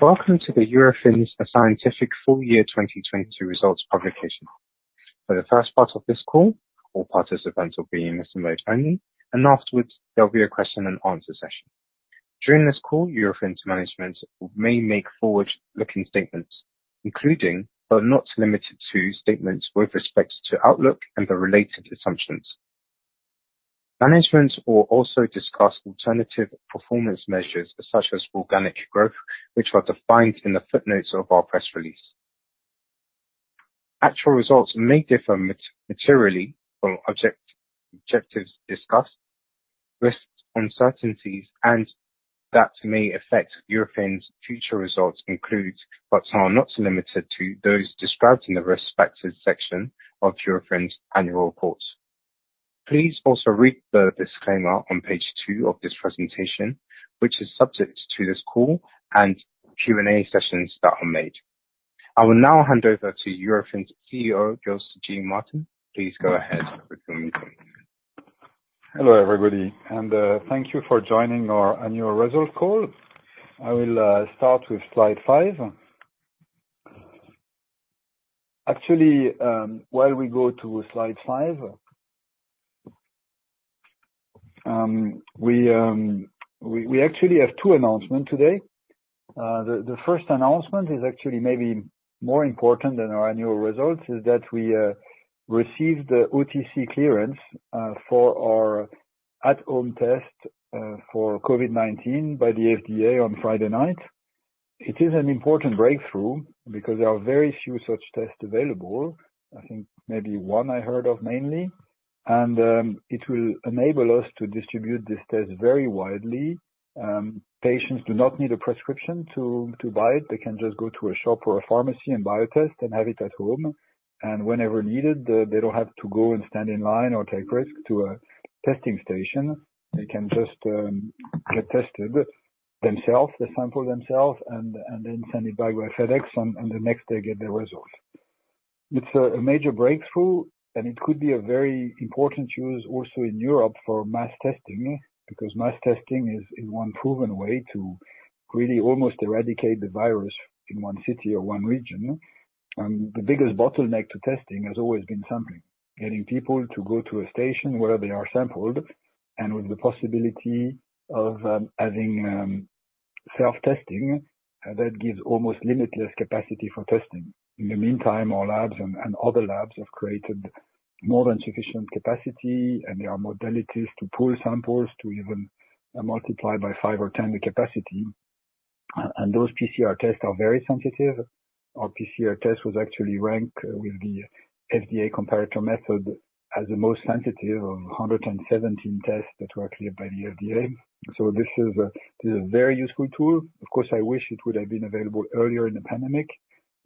Welcome to the Eurofins Scientific Full Year 2022 Results publication. For the first part of this call, all participants will be in listen mode only, and afterwards there'll be a question and answer session. During this call, Eurofins management may make forward-looking statements, including but not limited to statements with respect to outlook and the related assumptions. Management will also discuss alternative performance measures, such as organic growth, which are defined in the footnotes of our press release. Actual results may differ materially from objectives discussed. Risks, uncertainties, and that may affect Eurofins' future results include, but are not limited to, those described in the risk factors section of Eurofins' annual reports. Please also read the disclaimer on page two of this presentation, which is subject to this call and Q&A sessions that are made. I will now hand over to Eurofins CEO, Gilles G. Martin. Please go ahead with your meeting. Hello, everybody, and thank you for joining our annual result call. I will start with slide five. Actually, while we go to slide five, we actually have two announcement today. The first announcement is actually maybe more important than our annual results, is that we received the OTC clearance for our at-home test for COVID-19 by the FDA on Friday night. It is an important breakthrough because there are very few such tests available. I think maybe one I heard of mainly. It will enable us to distribute this test very widely. Patients do not need a prescription to buy it. They can just go to a shop or a pharmacy and buy a test and have it at home. Whenever needed, they don't have to go and stand in line or take risk to a testing station. They can just get tested themselves, they sample themselves, and then send it back by FedEx, and the next day get their results. It's a major breakthrough, and it could be a very important use also in Europe for mass testing, because mass testing is one proven way to really almost eradicate the virus in one city or one region. The biggest bottleneck to testing has always been sampling. Getting people to go to a station where they are sampled and with the possibility of adding self-testing, that gives almost limitless capacity for testing. In the meantime, our labs and other labs have created more than sufficient capacity, and there are modalities to pool samples to even multiply by five or ten the capacity. Those PCR tests are very sensitive. Our PCR test was actually ranked with the FDA comparator method as the most sensitive of 117 tests that were cleared by the FDA. This is a very useful tool. Of course, I wish it would have been available earlier in the pandemic.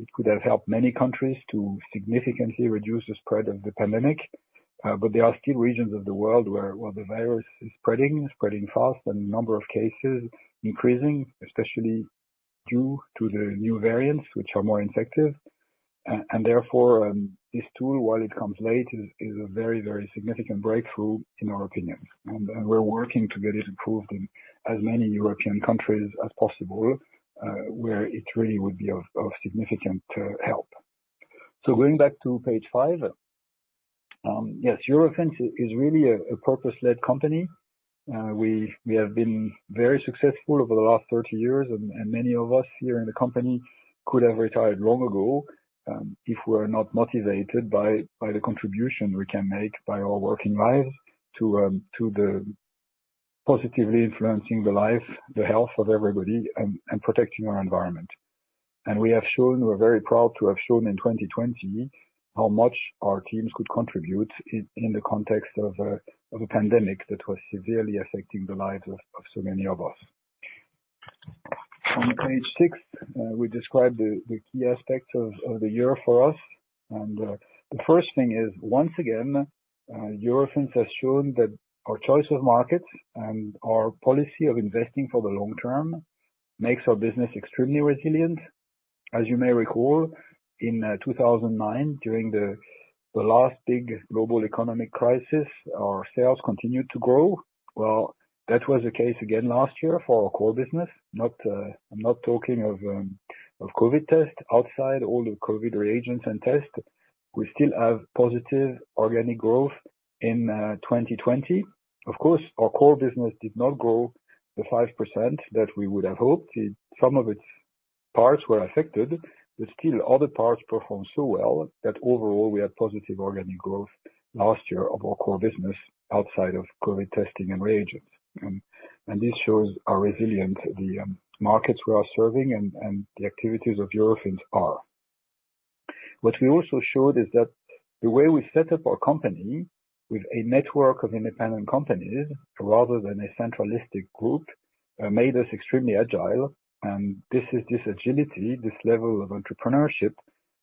It could have helped many countries to significantly reduce the spread of the pandemic. There are still regions of the world where the virus is spreading fast, and number of cases increasing, especially due to the new variants, which are more infective. Therefore, this tool, while it comes late, is a very significant breakthrough in our opinion. We're working to get it approved in as many European countries as possible, where it really would be of significant help. Going back to page five. Yes, Eurofins is really a purpose-led company. We have been very successful over the last 30 years, and many of us here in the company could have retired long ago, if we're not motivated by the contribution we can make by our working lives to the positively influencing the life, the health of everybody and protecting our environment. We have shown, we're very proud to have shown in 2020 how much our teams could contribute in the context of a pandemic that was severely affecting the lives of so many of us. On page six, we describe the key aspects of the year for us. The first thing is, once again, Eurofins has shown that our choice of markets and our policy of investing for the long term makes our business extremely resilient. As you may recall, in 2009, during the last big global economic crisis, our sales continued to grow. That was the case again last year for our core business. I'm not talking of COVID test. Outside all the COVID reagents and tests, we still have positive organic growth in 2020. Our core business did not grow the 5% that we would have hoped. Some of its parts were affected, but still other parts performed so well that overall, we had positive organic growth last year of our core business outside of COVID testing and reagents. This shows our resilience, the markets we are serving and the activities of Eurofins are. What we also showed is that the way we set up our company with a network of independent companies rather than a centralistic group, made us extremely agile. This is this agility, this level of entrepreneurship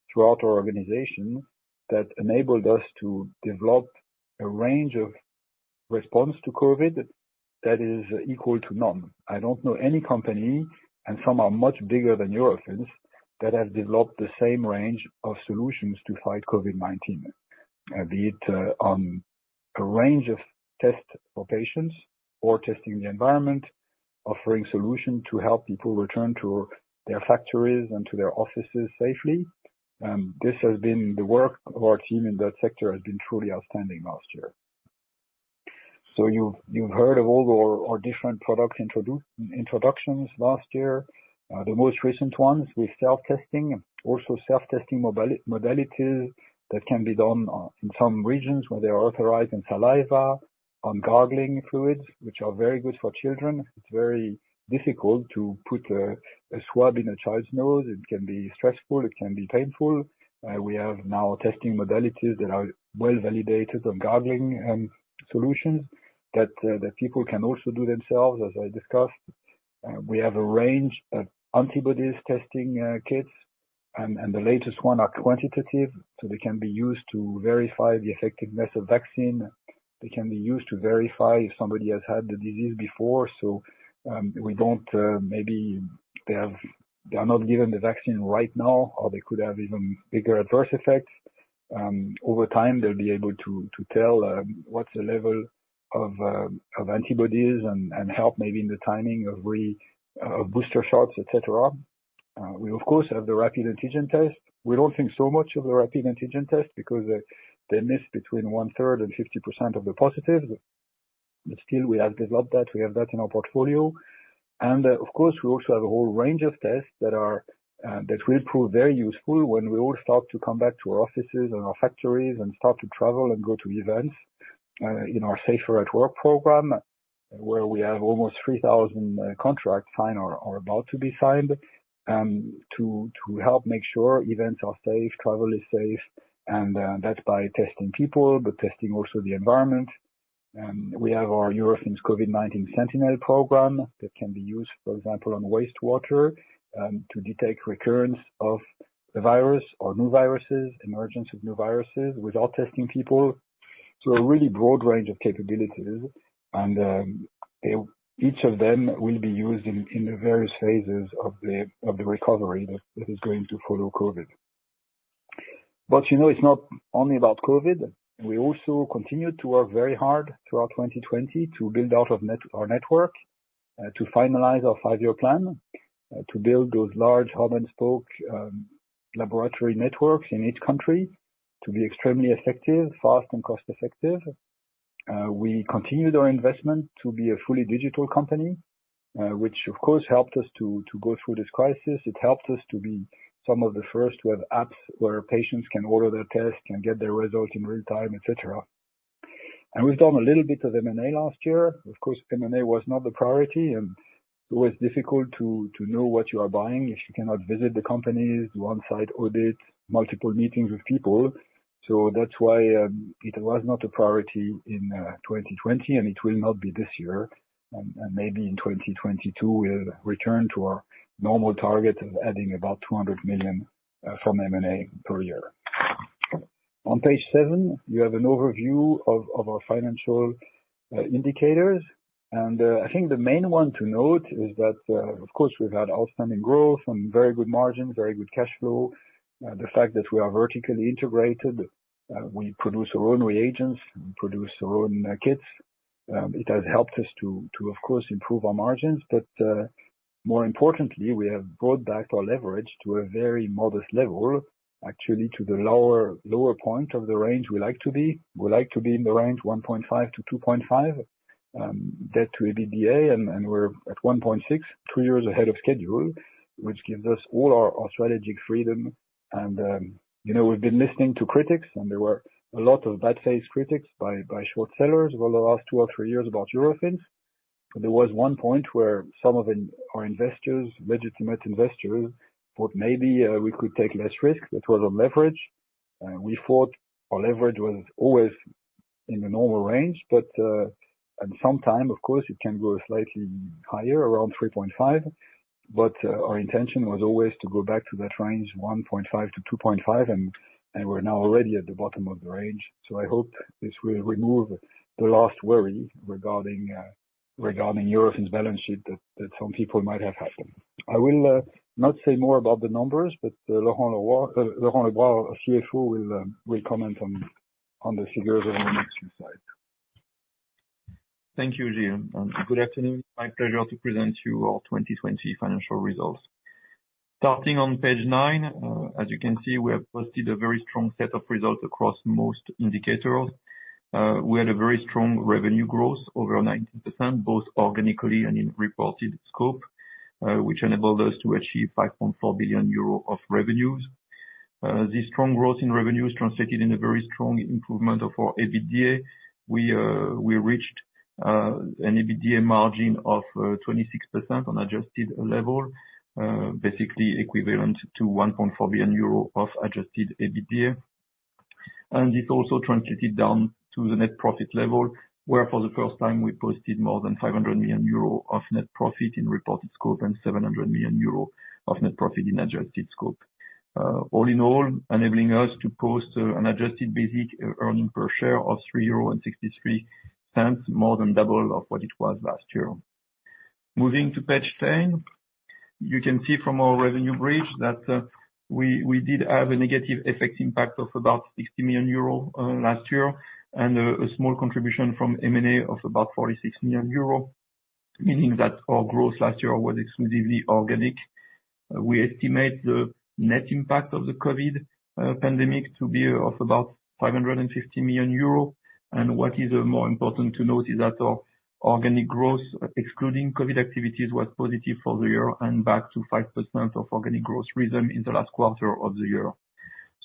throughout our organization that enabled us to develop a range of response to COVID that is equal to none. I don't know any company, and some are much bigger than Eurofins, that have developed the same range of solutions to fight COVID-19. Be it on a range of tests for patients or testing the environment, offering solutions to help people return to their factories and to their offices safely. This has been the work of our team in that sector has been truly outstanding last year. You've heard of all our different product introductions last year. The most recent ones with self-testing. Self-testing modalities that can be done in some regions where they are authorized in saliva, on gargling fluids, which are very good for children. It's very difficult to put a swab in a child's nose. It can be stressful, it can be painful. We have now testing modalities that are well-validated on gargling solutions that people can also do themselves, as I discussed. We have a range of antibodies testing kits, and the latest one are quantitative, so they can be used to verify the effectiveness of vaccine. They can be used to verify if somebody has had the disease before, so we don't maybe they are not given the vaccine right now, or they could have even bigger adverse effects. Over time, they'll be able to tell what's the level of antibodies and help maybe in the timing of booster shots, et cetera. We of course, have the rapid antigen test. We don't think so much of the rapid antigen test because they miss between 1/3 and 50% of the positives. Still, we have developed that. We have that in our portfolio. Of course, we also have a whole range of tests that will prove very useful when we all start to come back to our offices and our factories and start to travel and go to events. In our SAFER@WORK program, where we have almost 3,000 contracts signed or are about to be signed, to help make sure events are safe, travel is safe, and that's by testing people, but testing also the environment. We have our Eurofins COVID-19 Sentinel program that can be used, for example, on wastewater, to detect recurrence of the virus or new viruses, emergence of new viruses without testing people. A really broad range of capabilities, and each of them will be used in the various phases of the recovery that is going to follow COVID. It's not only about COVID. We also continue to work very hard throughout 2020 to build out our network, to finalize our five-year plan, to build those large hub-and-spoke laboratory networks in each country to be extremely effective, fast, and cost-effective. We continued our investment to be a fully digital company, which of course, helped us to go through this crisis. It helped us to be some of the first to have apps where patients can order their tests, can get their results in real-time, et cetera. We've done a little bit of M&A last year. Of course, M&A was not the priority, and it was difficult to know what you are buying if you cannot visit the companies, do on-site audits, multiple meetings with people. That's why it was not a priority in 2020, and it will not be this year. Maybe in 2022, we'll return to our normal target of adding about 200 million from M&A per year. On page seven, you have an overview of our financial indicators. I think the main one to note is that, of course, we've had outstanding growth and very good margins, very good cash flow. The fact that we are vertically integrated, we produce our own reagents, we produce our own kits. It has helped us to, of course, improve our margins. More importantly, we have brought back our leverage to a very modest level, actually to the lower point of the range we like to be. We like to be in the range 1.5-2.5 debt to EBITDA, and we're at 1.6, two years ahead of schedule, which gives us all our strategic freedom. We've been listening to critics, and there were a lot of bad faith critics by short sellers over the last two or three years about Eurofins. There was one point where some of our investors, legitimate investors, thought maybe we could take less risk that was on leverage. We thought our leverage was always in the normal range, but at some time, of course, it can go slightly higher, around 3.5. Our intention was always to go back to that range, 1.5-2.5, and we're now already at the bottom of the range. I hope that this will remove the last worry regarding Eurofins' balance sheet that some people might have had. I will not say more about the numbers, but Laurent Lebras, our CFO, will comment on the figures on the next few slides. Thank you, Gilles. Good afternoon. My pleasure to present to you our 2020 financial results. Starting on page nine, as you can see, we have posted a very strong set of results across most indicators. We had a very strong revenue growth over 19%, both organically and in reported scope, which enabled us to achieve 5.4 billion euro of revenues. This strong growth in revenues translated into very strong improvement of our EBITDA. We reached an EBITDA margin of 26% on adjusted level, basically equivalent to 1.4 billion euro of adjusted EBITDA. This also translated down to the net profit level, where for the first time we posted more than 500 million euro of net profit in reported scope and 700 million euro of net profit in adjusted scope. All in all, enabling us to post an adjusted basic earnings per share of 3.63 euros, more than double of what it was last year. Moving to page 10. You can see from our revenue bridge that we did have a negative FX impact of about 60 million euro last year, and a small contribution from M&A of about 46 million euro, meaning that our growth last year was exclusively organic. We estimate the net impact of the COVID-19 pandemic to be of about 550 million euro. What is more important to note is that our organic growth, excluding COVID-19 activities, was positive for the year and back to 5% of organic growth resumed in the last quarter of the year.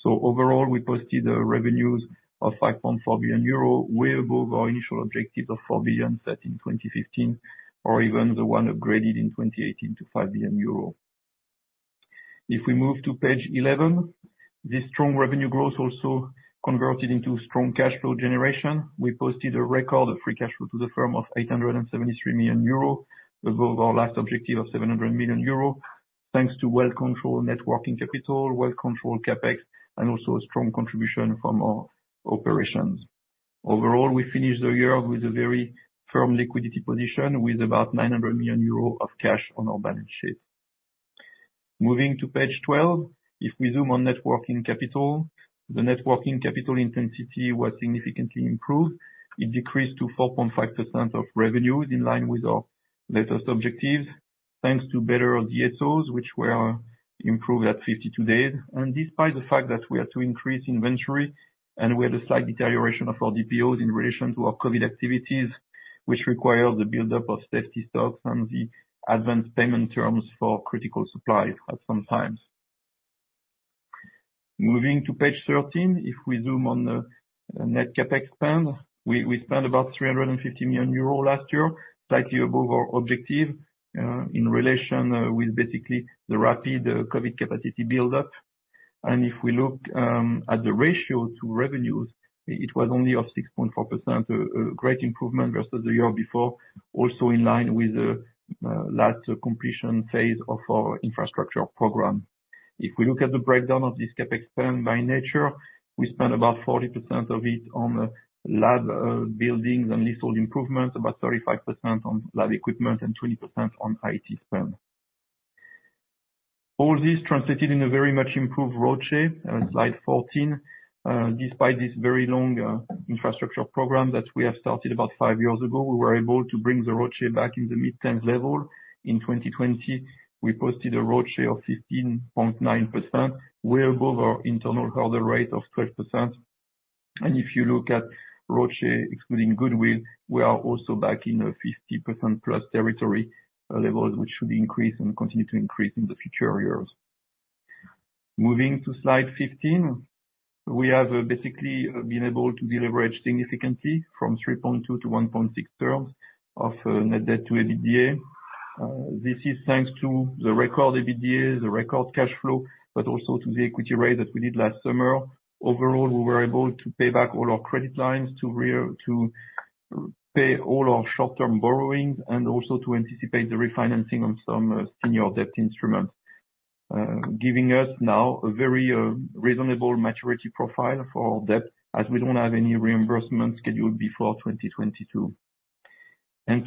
Overall, we posted a revenues of 5.4 billion euro, way above our initial objective of 4 billion set in 2015, or even the one upgraded in 2018 to 5 billion euro. If we move to page 11, this strong revenue growth also converted into strong cash flow generation. We posted a record of free cash flow to the firm of 873 million euro, above our last objective of 700 million euro, thanks to well-controlled networking capital, well-controlled CapEx, and also a strong contribution from our operations. Overall, we finished the year with a very firm liquidity position with about 900 million euro of cash on our balance sheet. Moving to page 12. If we zoom on net working capital, the net working capital intensity was significantly improved. It decreased to 4.5% of revenues, in line with our latest objectives, thanks to better DSO, which were improved at 52 days. Despite the fact that we had to increase inventory and we had a slight deterioration of our DPO in relation to our COVID activities, which required the buildup of safety stocks and the advanced payment terms for critical supplies at some times. Moving to page 13. If we zoom on the net CapEx spend, we spent about 350 million euros last year, slightly above our objective, in relation with basically the rapid COVID capacity buildup. If we look at the ratio to revenues, it was only of 6.4%, a great improvement versus the year before, also in line with the last completion phase of our infrastructure program. If we look at the breakdown of this CapEx spend by nature, we spent about 40% of it on lab buildings and leasehold improvements, about 35% on lab equipment, and 20% on IT spend. All this translated in a very much improved ROCE, slide 14. Despite this very long infrastructure program that we have started about five years ago, we were able to bring the ROCE back in the mid-teens level. In 2020, we posted a ROCE of 15.9%, way above our internal hurdle rate of 12%. If you look at ROCE excluding goodwill, we are also back in a 50%+ territory level, which should increase and continue to increase in the future years. Moving to slide 15. We have basically been able to deleverage significantly from 3.2 to 1.6 terms of net debt to EBITDA. This is thanks to the record EBITDA, the record cash flow, but also to the equity raise that we did last summer. Overall, we were able to pay back all our credit lines to pay all our short-term borrowings and also to anticipate the refinancing on some senior debt instruments. Giving us now a very reasonable maturity profile for our debt as we don't have any reimbursements scheduled before 2022.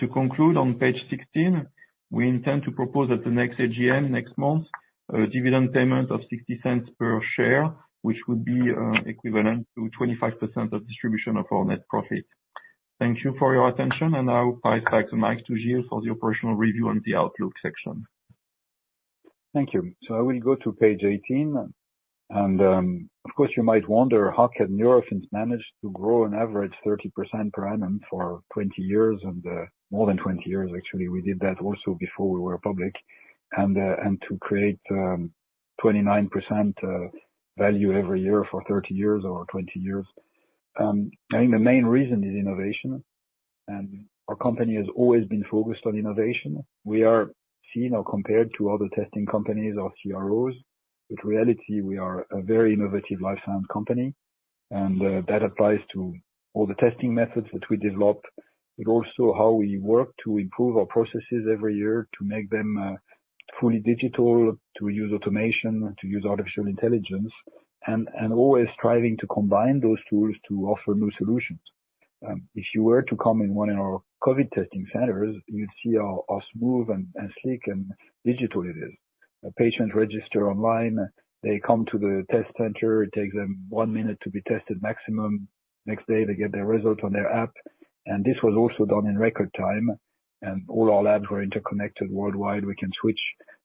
To conclude on page 16, we intend to propose at the next AGM, next month, a dividend payment of 0.60 per share, which would be equivalent to 25% of distribution of our net profit. Thank you for your attention. Now I'll pass back to Gilles for the operational review and the outlook section. Thank you. I will go to page 18. Of course, you might wonder, how can Eurofins manage to grow an average 30% per annum for 20 years. More than 20 years, actually. We did that also before we were public. To create 29% value every year for 30 years or 20 years. I think the main reason is innovation. Our company has always been focused on innovation. We are seen or compared to other testing companies or CROs. Reality, we are a very innovative life science company, and that applies to all the testing methods that we develop, but also how we work to improve our processes every year to make them fully digital, to use automation, to use artificial intelligence, and always striving to combine those tools to offer new solutions. If you were to come in one of our COVID-19 testing centers, you'd see how smooth and sleek and digital it is. A patient register online, they come to the test center, it takes them one minute to be tested maximum. Next day, they get their results on their app. This was also done in record time. All our labs were interconnected worldwide. We can switch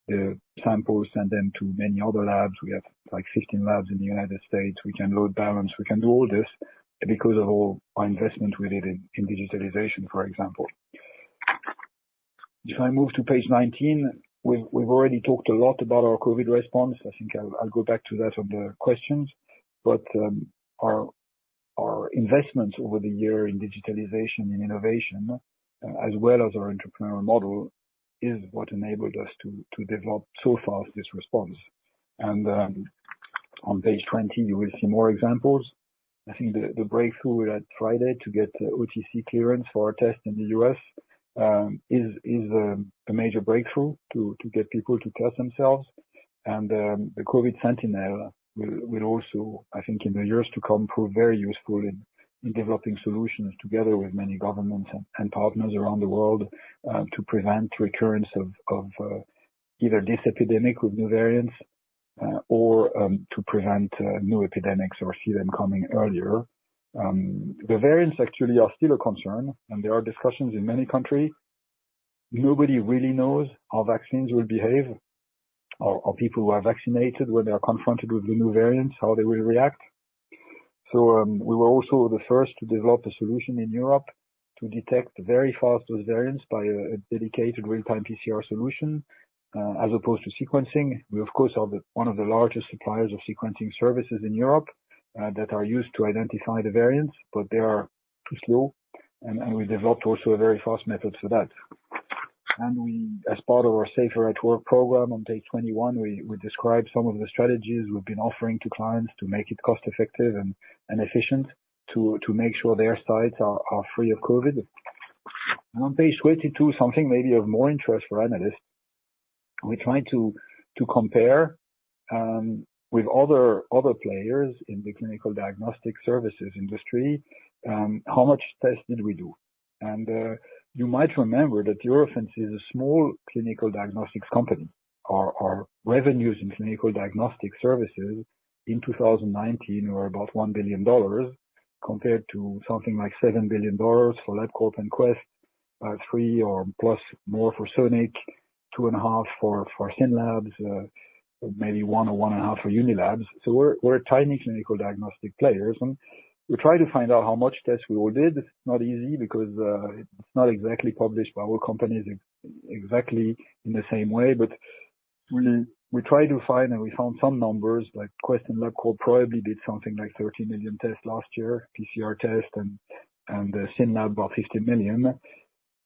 the samples, send them to many other labs. We have 15 labs in United States. We can load balance. We can do all this because of our investment we did in digitalization, for example. If I move to page 19, we've already talked a lot about our COVID response. I think I'll go back to that on the questions. Our investments over the year in digitalization and innovation, as well as our entrepreneurial model, is what enabled us to develop so fast this response. On page 20, you will see more examples. I think the breakthrough we had Friday to get OTC clearance for our test in the U.S. is a major breakthrough to get people to test themselves. The COVID Sentinel will also, I think in the years to come, prove very useful in developing solutions together with many governments and partners around the world, to prevent recurrence of either this epidemic with new variants or to prevent new epidemics or see them coming earlier. The variants actually are still a concern and there are discussions in many countries. Nobody really knows how vaccines will behave or people who are vaccinated, when they are confronted with the new variants, how they will react. We were also the first to develop a solution in Europe to detect very fast those variants by a dedicated real-time PCR solution, as opposed to sequencing. We, of course, are one of the largest suppliers of sequencing services in Europe that are used to identify the variants, but they are too slow. We developed also a very fast method for that. As part of our SAFER@WORK program on page 21, we describe some of the strategies we've been offering to clients to make it cost-effective and efficient to make sure their sites are free of COVID. On page 22, something maybe of more interest for analysts. We try to compare with other players in the clinical diagnostic services industry, how much tests did we do. You might remember that Eurofins is a small clinical diagnostics company. Our revenues in clinical diagnostic services in 2019 were about $1 billion, compared to something like $7 billion for Labcorp and Quest, $3 billion or plus more for Sonic, $2.5 billion for SYNLAB, maybe $1 billion or $1.5 billion for Unilabs. We're a tiny clinical diagnostic player. We try to find out how much tests we all did. It's not easy because it's not exactly published by all companies exactly in the same way. We try to find, and we found some numbers, like Quest and Labcorp probably did something like 30 million tests last year, PCR tests, and SYNLAB about 50 million.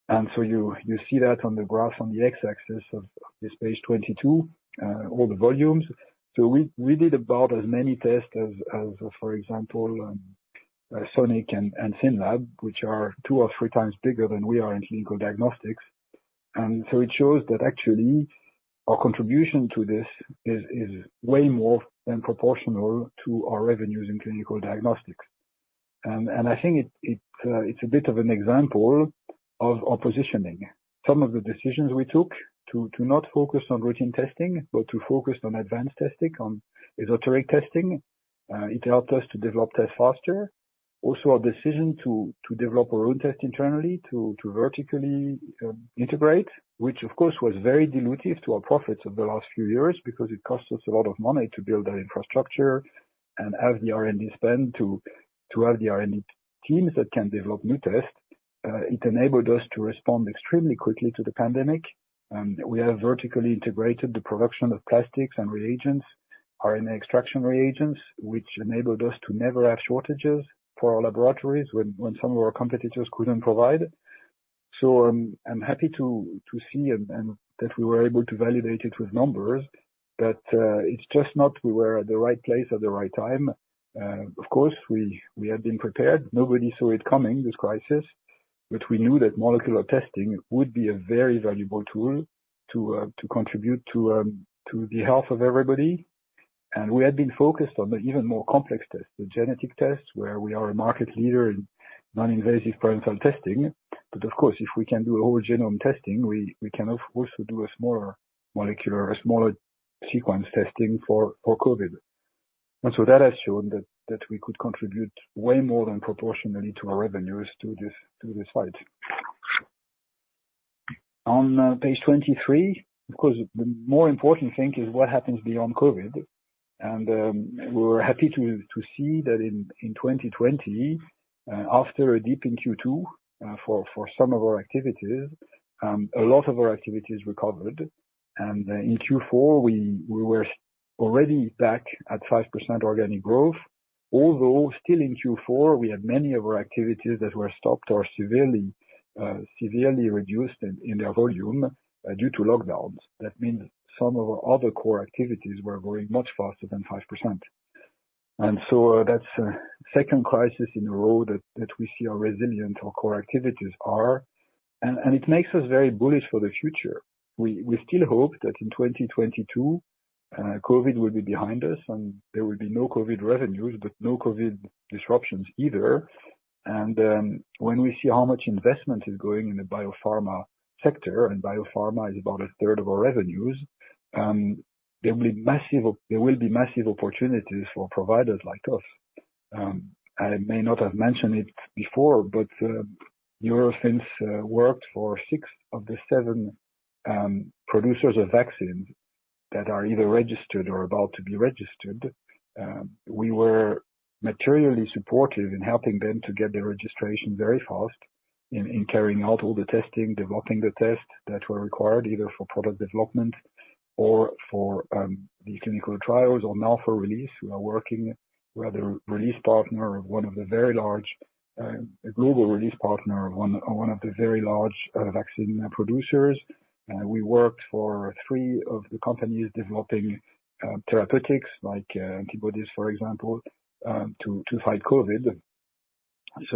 You see that on the graph on the X-axis of this page 22, all the volumes. We did about as many tests as, for example, Sonic and SYNLAB, which are two or three times bigger than we are in clinical diagnostics. It shows that actually our contribution to this is way more than proportional to our revenues in clinical diagnostics. I think it's a bit of an example of our positioning. Some of the decisions we took to not focus on routine testing, but to focus on advanced testing, on esoteric testing, it helped us to develop tests faster. Also our decision to develop our own test internally to vertically integrate, which of course was very dilutive to our profits over the last few years, because it cost us a lot of money to build that infrastructure and have the R&D spend to have the R&D teams that can develop new tests. It enabled us to respond extremely quickly to the pandemic. We have vertically integrated the production of plastics and reagents, RNA extraction reagents, which enabled us to never have shortages for our laboratories when some of our competitors couldn't provide. I'm happy to see and that we were able to validate it with numbers, that it's just not we were at the right place at the right time. Of course, we had been prepared. Nobody saw it coming, this crisis. We knew that molecular testing would be a very valuable tool to contribute to the health of everybody. We had been focused on the even more complex tests, the genetic tests, where we are a market leader in non-invasive prenatal testing. Of course, if we can do whole genome testing, we can of course do a smaller molecular, a smaller sequence testing for COVID. That has shown that we could contribute way more than proportionally to our revenues to this fight. On page 23, of course, the more important thing is what happens beyond COVID. We're happy to see that in 2020, after a dip in Q2 for some of our activities, a lot of our activities recovered. In Q4, we were already back at 5% organic growth. Although still in Q4, we had many of our activities that were stopped or severely reduced in their volume due to lockdowns. That means some of our other core activities were growing much faster than 5%. That's a second crisis in a row that we see how resilient our core activities are. It makes us very bullish for the future. We still hope that in 2022, COVID will be behind us and there will be no COVID revenues, but no COVID disruptions either. When we see how much investment is going in the biopharma sector, and biopharma is about a third of our revenues, there will be massive opportunities for providers like us. I may not have mentioned it before, Eurofins worked for six of the seven producers of vaccines that are either registered or about to be registered. We were materially supportive in helping them to get their registration very fast in carrying out all the testing, developing the tests that were required either for product development or for the clinical trials or now for release. We are working. We are the global release partner of one of the very large vaccine producers. We worked for three of the companies developing therapeutics like antibodies, for example, to fight COVID. This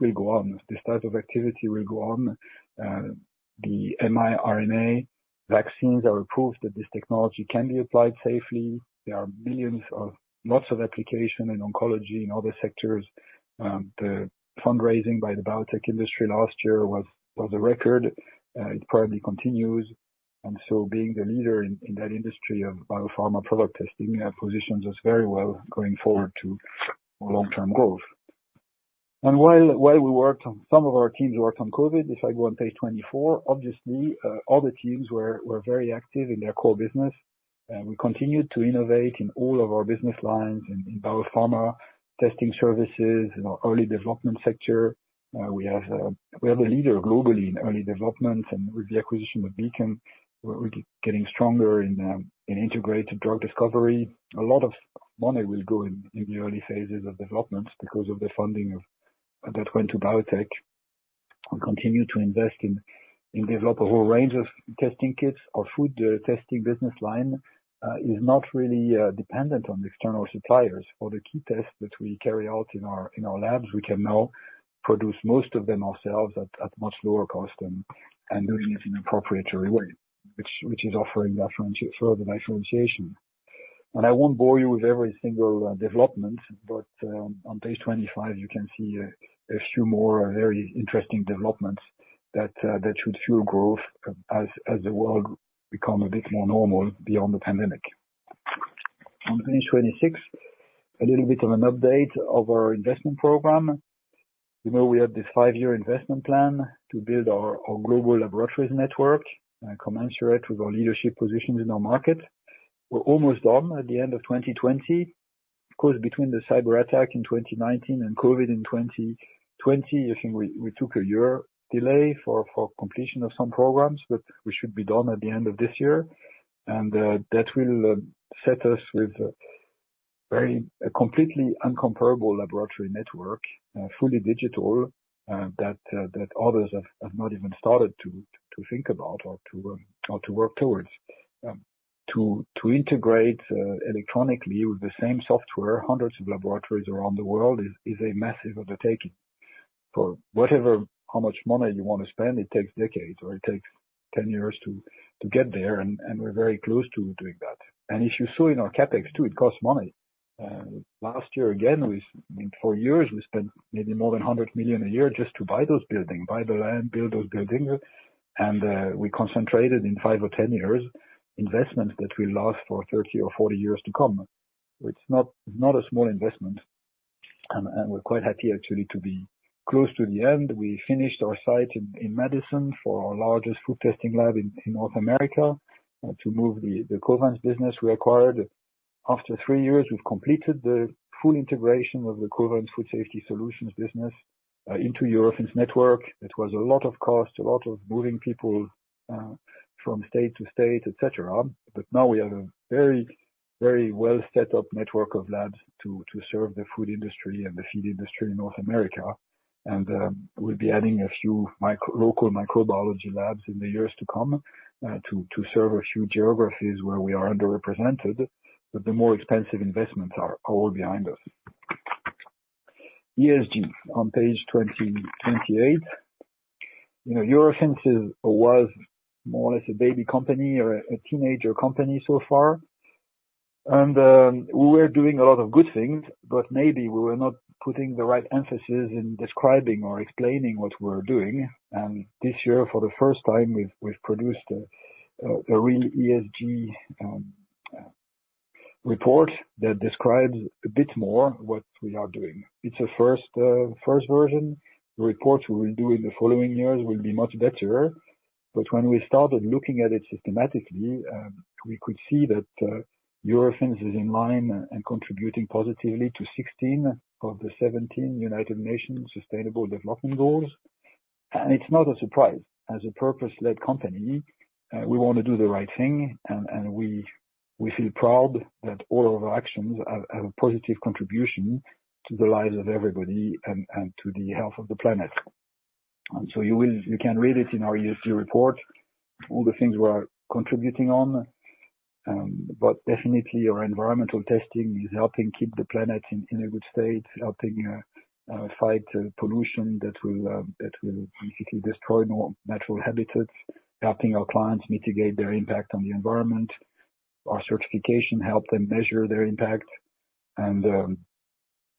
will go on. This type of activity will go on. The mRNA vaccines are a proof that this technology can be applied safely. There are millions of lots of application in oncology and other sectors. The fundraising by the biotech industry last year was a record. It probably continues. Being the leader in that industry of BioPharma Product Testing positions us very well going forward to long-term growth. While we worked on, some of our teams worked on COVID, if I go on page 24, obviously, other teams were very active in their core business. We continued to innovate in all of our business lines, in biopharma testing services, in our early development sector. We are the leader globally in early development, and with the acquisition of Beacon, we're getting stronger in integrated drug discovery. A lot of money will go in the early phases of development because of the funding that went to biotech. We continue to invest in, and develop a whole range of testing kits. Our food testing business line is not really dependent on external suppliers. For the key tests that we carry out in our labs, we can now produce most of them ourselves at much lower cost and doing it in a proprietary way, which is offering further differentiation. I won't bore you with every single development, but on page 25, you can see a few more very interesting developments that should fuel growth as the world become a bit more normal beyond the pandemic. On page 26, a little bit of an update of our investment program. You know we had this five-year investment plan to build our global laboratories network, commensurate with our leadership positions in our market. We're almost done at the end of 2020. Between the cyber attack in 2019 and COVID in 2020, I think we took a year delay for completion of some programs, we should be done at the end of this year. That will set us with a completely incomparable laboratory network, fully digital, that others have not even started to think about or to work towards. To integrate electronically with the same software, hundreds of laboratories around the world is a massive undertaking. For whatever, how much money you want to spend, it takes decades or it takes 10 years to get there, we're very close to doing that. If you saw in our CapEx too, it costs money. Last year, again, for years, we spent maybe more than 100 million a year just to buy those buildings, buy the land, build those buildings. We concentrated in five or 10 years investments that will last for 30 or 40 years to come. It's not a small investment. We're quite happy actually to be close to the end. We finished our site in Madison for our largest food testing lab in North America to move the Covance business we acquired. After three years, we've completed the full integration of the Covance Food Safety Solutions business into Eurofins network. It was a lot of cost, a lot of moving people from state to state, et cetera. Now we have a very well set up network of labs to serve the food industry and the feed industry in North America. We'll be adding a few local microbiology labs in the years to come to serve a few geographies where we are underrepresented. The more expensive investments are all behind us. ESG on page 28. Eurofins is, was more or less a baby company or a teenager company so far. We were doing a lot of good things, but maybe we were not putting the right emphasis in describing or explaining what we're doing. This year, for the first time, we've produced a real ESG report that describes a bit more what we are doing. It's a first version. The reports we will do in the following years will be much better. When we started looking at it systematically, we could see that Eurofins is in line and contributing positively to 16 of the 17 United Nations Sustainable Development Goals. It's not a surprise. As a purpose-led company, we want to do the right thing, and we feel proud that all of our actions have a positive contribution to the lives of everybody and to the health of the planet. You can read it in our ESG report, all the things we are contributing on. Definitely our environmental testing is helping keep the planet in a good state, helping fight pollution that will basically destroy more natural habitats, helping our clients mitigate their impact on the environment. Our certification help them measure their impact.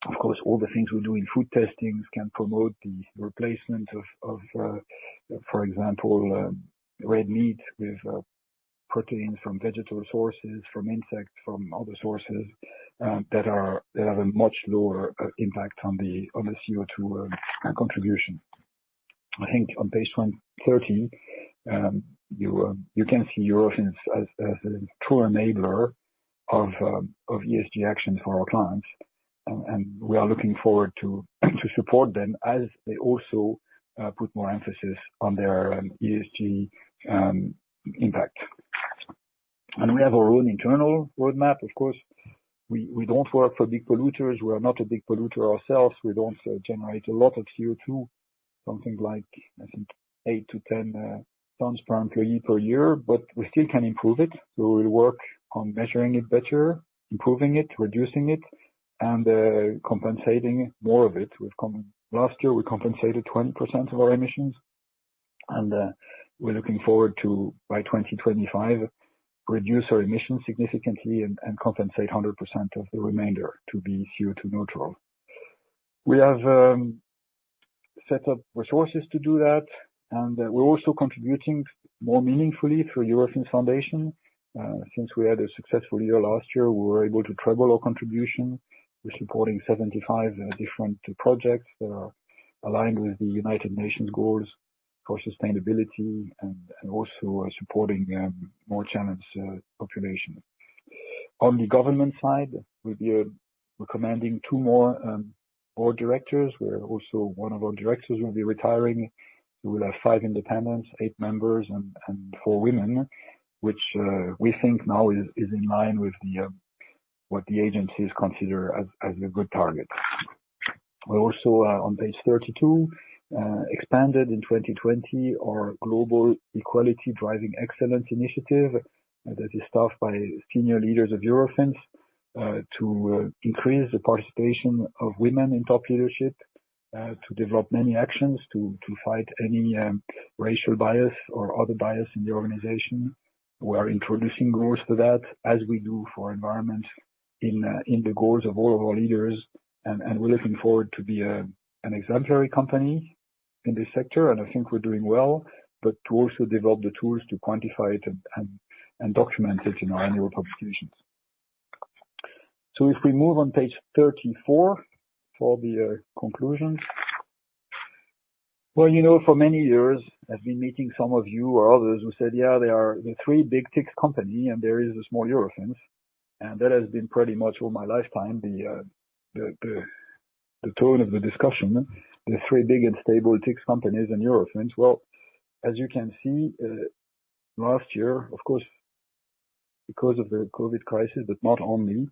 Of course, all the things we do in food testings can promote the replacement of, for example, red meat with proteins from vegetable sources, from insects, from other sources that have a much lower impact on the CO2 contribution. I think on page 13, you can see Eurofins as a true enabler of ESG actions for our clients. We are looking forward to support them as they also put more emphasis on their ESG impact. We have our own internal roadmap, of course. We don't work for big polluters. We are not a big polluter ourselves. We don't generate a lot of CO2. Something like, I think, 8-10 tons per employee per year, but we still can improve it. We will work on measuring it better, improving it, reducing it, and compensating more of it. Last year, we compensated 20% of our emissions, and we're looking forward to, by 2025, reduce our emissions significantly and compensate 100% of the remainder to be CO2 neutral. We have set up resources to do that, and we're also contributing more meaningfully through Eurofins Foundation. Since we had a successful year last year, we were able to treble our contribution. We're supporting 75 different projects that are aligned with the United Nations Goals for Sustainability and also are supporting more challenged population. On the government side, we'll be recommending two more board directors. Also, one of our directors will be retiring. We will have five independents, eight members, and four women, which we think now is in line with what the agencies consider as a good target. Also on page 32, expanded in 2020, our Global Equality Driving Excellence initiative that is staffed by senior leaders of Eurofins to increase the participation of women in top leadership, to develop many actions, to fight any racial bias or other bias in the organization. We are introducing roles for that as we do for environment in the goals of all of our leaders. We're looking forward to be an exemplary company in this sector, and I think we're doing well, but to also develop the tools to quantify it and document it in our annual publications. If we move on page 34 for the conclusions. For many years, I've been meeting some of you or others who said, "Yeah, they are the three big TIC company, and there is a small Eurofins." That has been pretty much all my lifetime, the tone of the discussion. The three big and stable TIC companies and Eurofins. Well, as you can see, last year, of course, because of the COVID-19 crisis, but not only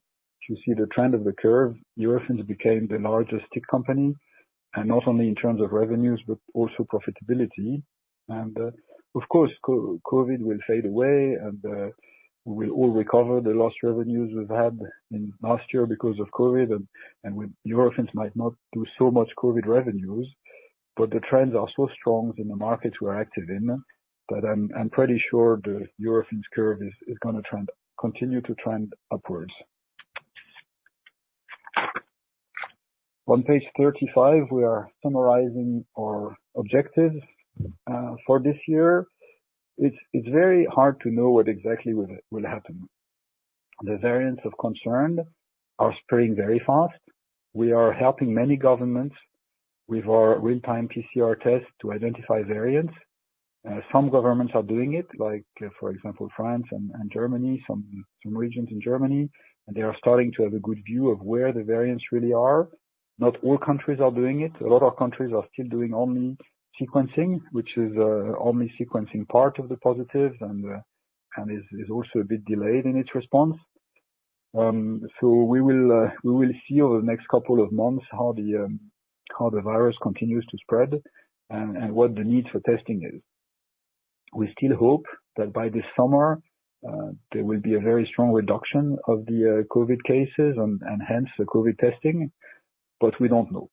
to see the trend of the curve, Eurofins became the largest TIC company. Not only in terms of revenues, but also profitability. Of course, COVID will fade away, and we will all recover the lost revenues we have had in last year because of COVID. Eurofins might not do so much COVID revenues, but the trends are so strong in the markets we are active in that I am pretty sure the Eurofins curve is going to continue to trend upwards. On page 35, we are summarizing our objectives for this year. It is very hard to know what exactly will happen. The variants of concern are spreading very fast. We are helping many governments with our real-time PCR test to identify variants. Some governments are doing it, like for example, France and Germany, some regions in Germany, and they are starting to have a good view of where the variants really are. Not all countries are doing it. A lot of countries are still doing only sequencing, which is only sequencing part of the positive and is also a bit delayed in its response. We will see over the next couple of months how the virus continues to spread and what the need for testing is. We still hope that by this summer, there will be a very strong reduction of the COVID cases and hence the COVID testing, but we don't know.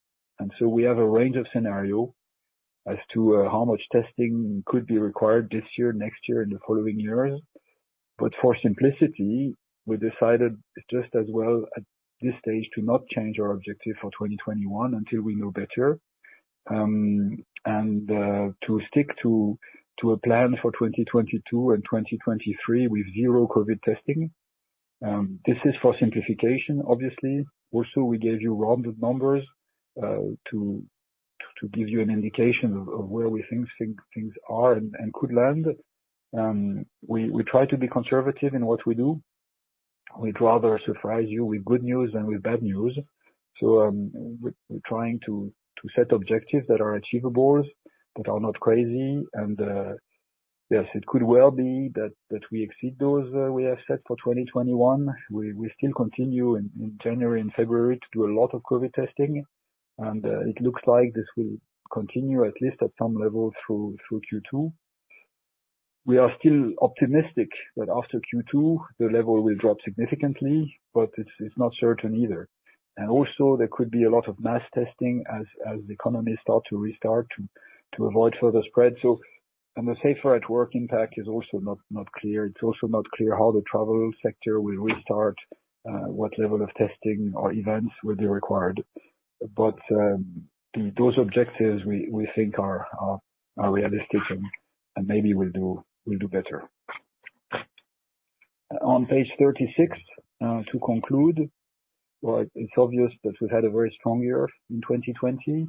We have a range of scenario as to how much testing could be required this year, next year, and the following years. For simplicity, we decided it's just as well at this stage to not change our objective for 2021 until we know better, and to stick to a plan for 2022 and 2023 with zero COVID testing. This is for simplification, obviously. We gave you rounded numbers to give you an indication of where we think things are and could land. We try to be conservative in what we do. We'd rather surprise you with good news than with bad news. We're trying to set objectives that are achievable, that are not crazy. Yes, it could well be that we exceed those we have set for 2021. We still continue in January and February to do a lot of COVID testing, and it looks like this will continue at least at some level through Q2. We are still optimistic that after Q2, the level will drop significantly. It's not certain either. Also, there could be a lot of mass testing as the economies start to restart to avoid further spread. The SAFER@WORK impact is also not clear. It's also not clear how the travel sector will restart, what level of testing or events will be required. Those objectives, we think, are realistic and maybe we'll do better. On page 36, to conclude, it's obvious that we've had a very strong year in 2020.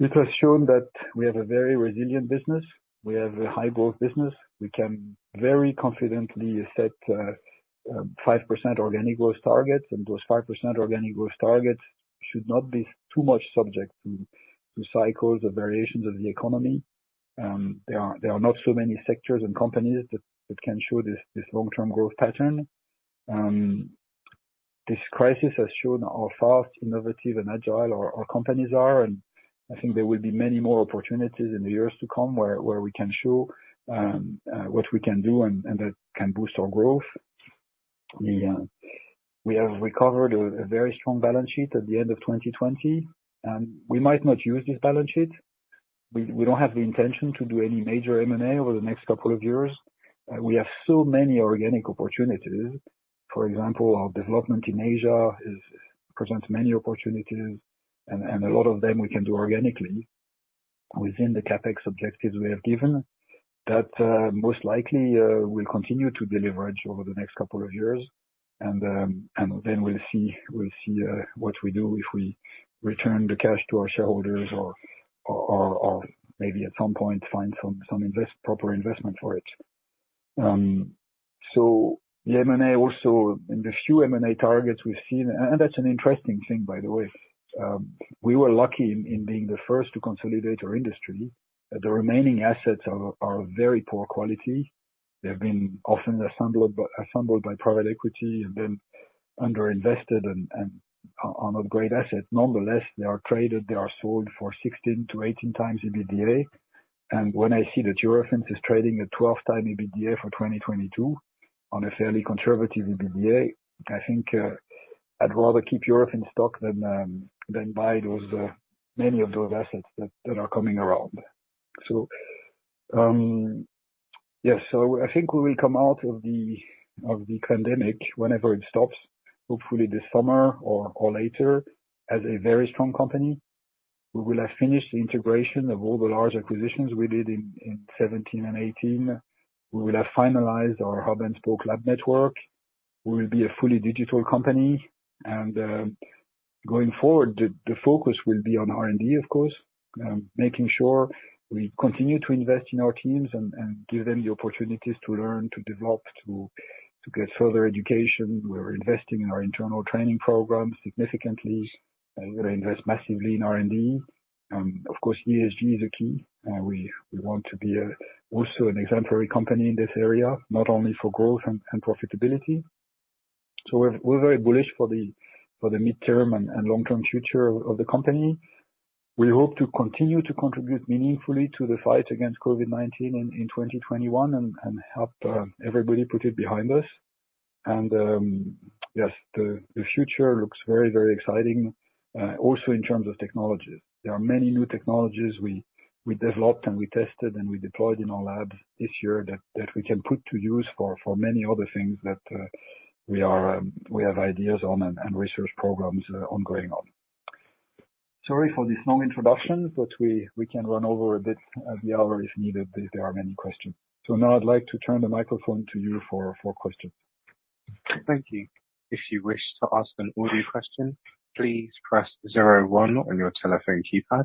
It has shown that we have a very resilient business. We have a high growth business. We can very confidently set 5% organic growth targets, and those 5% organic growth targets should not be too much subject to cycles or variations of the economy. There are not so many sectors and companies that can show this long-term growth pattern. This crisis has shown how fast, innovative, and agile our companies are, and I think there will be many more opportunities in the years to come where we can show what we can do, and that can boost our growth. We have recovered a very strong balance sheet at the end of 2020. We might not use this balance sheet. We don't have the intention to do any major M&A over the next couple of years. We have so many organic opportunities. For example, our development in Asia presents many opportunities, and a lot of them we can do organically within the CapEx objectives we have given that most likely will continue to deleverage over the next couple of years. Then we'll see what we do if we return the cash to our shareholders or maybe at some point find some proper investment for it. The M&A also, in the few M&A targets we've seen, and that's an interesting thing, by the way. We were lucky in being the first to consolidate our industry. The remaining assets are of very poor quality. They've been often assembled by private equity and then under-invested and are not great assets. Nonetheless, they are traded, they are sold for 16-18x EBITDA. When I see that Eurofins is trading at 12x EBITDA for 2022 on a fairly conservative EBITDA, I think I'd rather keep Eurofins stock than buy many of those assets that are coming around. Yes. I think we will come out of the pandemic, whenever it stops, hopefully this summer or later, as a very strong company. We will have finished the integration of all the large acquisitions we did in 2017 and 2018. We will have finalized our hub-and-spoke lab network. We will be a fully digital company. Going forward, the focus will be on R&D, of course, making sure we continue to invest in our teams and give them the opportunities to learn, to develop, to get further education. We're investing in our internal training program significantly. We're going to invest massively in R&D. Of course, ESG is a key. We want to be also an exemplary company in this area, not only for growth and profitability. We're very bullish for the midterm and long-term future of the company. We hope to continue to contribute meaningfully to the fight against COVID-19 in 2021 and help everybody put it behind us. Yes, the future looks very, very exciting, also in terms of technologies. There are many new technologies we developed and we tested and we deployed in our labs this year that we can put to use for many other things that we have ideas on and research programs ongoing on. Sorry for this long introduction. We can run over a bit of the hour if needed, if there are many questions. Now I'd like to turn the microphone to you for questions. Thank you. If you wish to ask an audio question, please press zero one on your telephone keypad.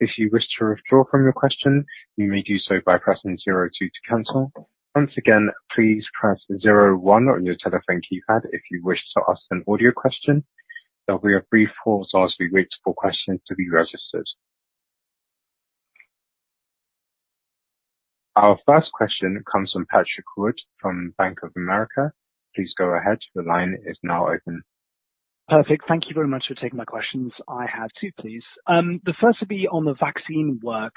If you wish to withdraw from your question, you may do so by pressing zero two to cancel. Once again, please press zero one on your telephone keypad if you wish to ask an audio question. There will be a brief pause as we wait for questions to be registered. Our first question comes from Patrick Wood from Bank of America. Please go ahead. The line is now open. Perfect. Thank you very much for taking my questions. I have two, please. The first would be on the vaccine work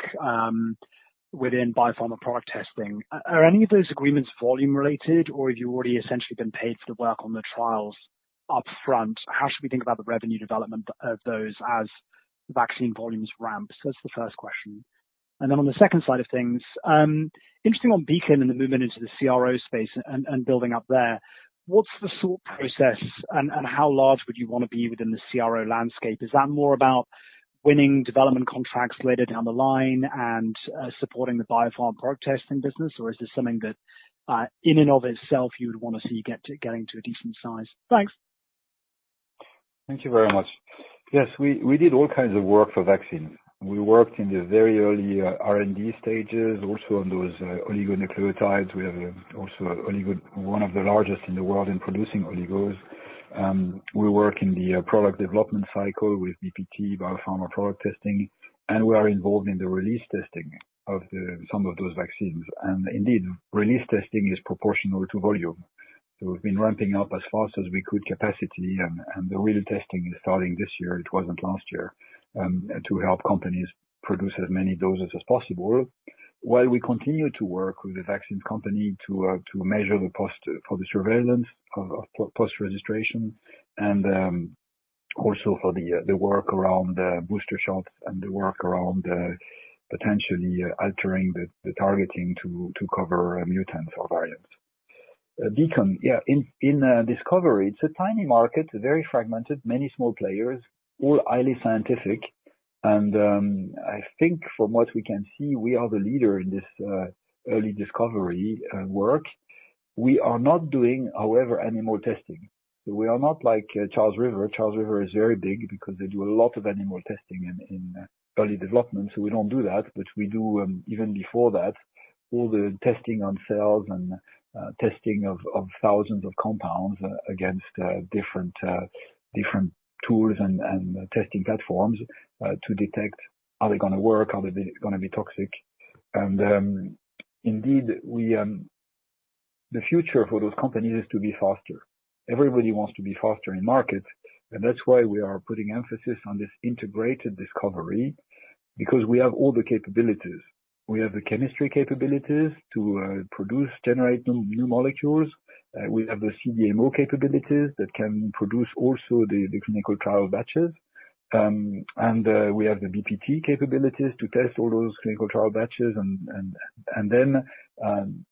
within BioPharma Product Testing. Are any of those agreements volume-related, or have you already essentially been paid for the work on the trials up front? How should we think about the revenue development of those as vaccine volumes ramp? That's the first question. On the second side of things, interesting on Beacon and the movement into the CRO space and building up there. What's the thought process and how large would you want to be within the CRO landscape? Is that more about winning development contracts later down the line and supporting the BioPharma Product Testing business, or is this something that in and of itself you would want to see getting to a decent size? Thanks. Thank you very much. Yes, we did all kinds of work for vaccines. We worked in the very early R&D stages, also on those oligonucleotides. We have also one of the largest in the world in producing oligos. We work in the product development cycle with BPT, BioPharma Product Testing, and we are involved in the release testing of some of those vaccines. Indeed, release testing is proportional to volume. We've been ramping up as fast as we could capacity, and the release testing is starting this year, it wasn't last year, to help companies produce as many doses as possible while we continue to work with the vaccine company to measure the cost for the surveillance of post-registration and also for the work around the booster shots and the work around potentially altering the targeting to cover mutants or variants. Beacon, yeah, in discovery, it's a tiny market, very fragmented, many small players, all highly scientific. I think from what we can see, we are the leader in this early discovery work. We are not doing, however, animal testing. We are not like Charles River. Charles River is very big because they do a lot of animal testing in early development. We don't do that, but we do even before that, all the testing on cells and testing of thousands of compounds against different tools and testing platforms to detect are they going to work? Are they going to be toxic? Indeed, the future for those companies is to be faster. Everybody wants to be faster in markets, that's why we are putting emphasis on this integrated discovery, because we have all the capabilities. We have the chemistry capabilities to produce, generate new molecules. We have the CDMO capabilities that can produce also the clinical trial batches. We have the BPT capabilities to test all those clinical trial batches and then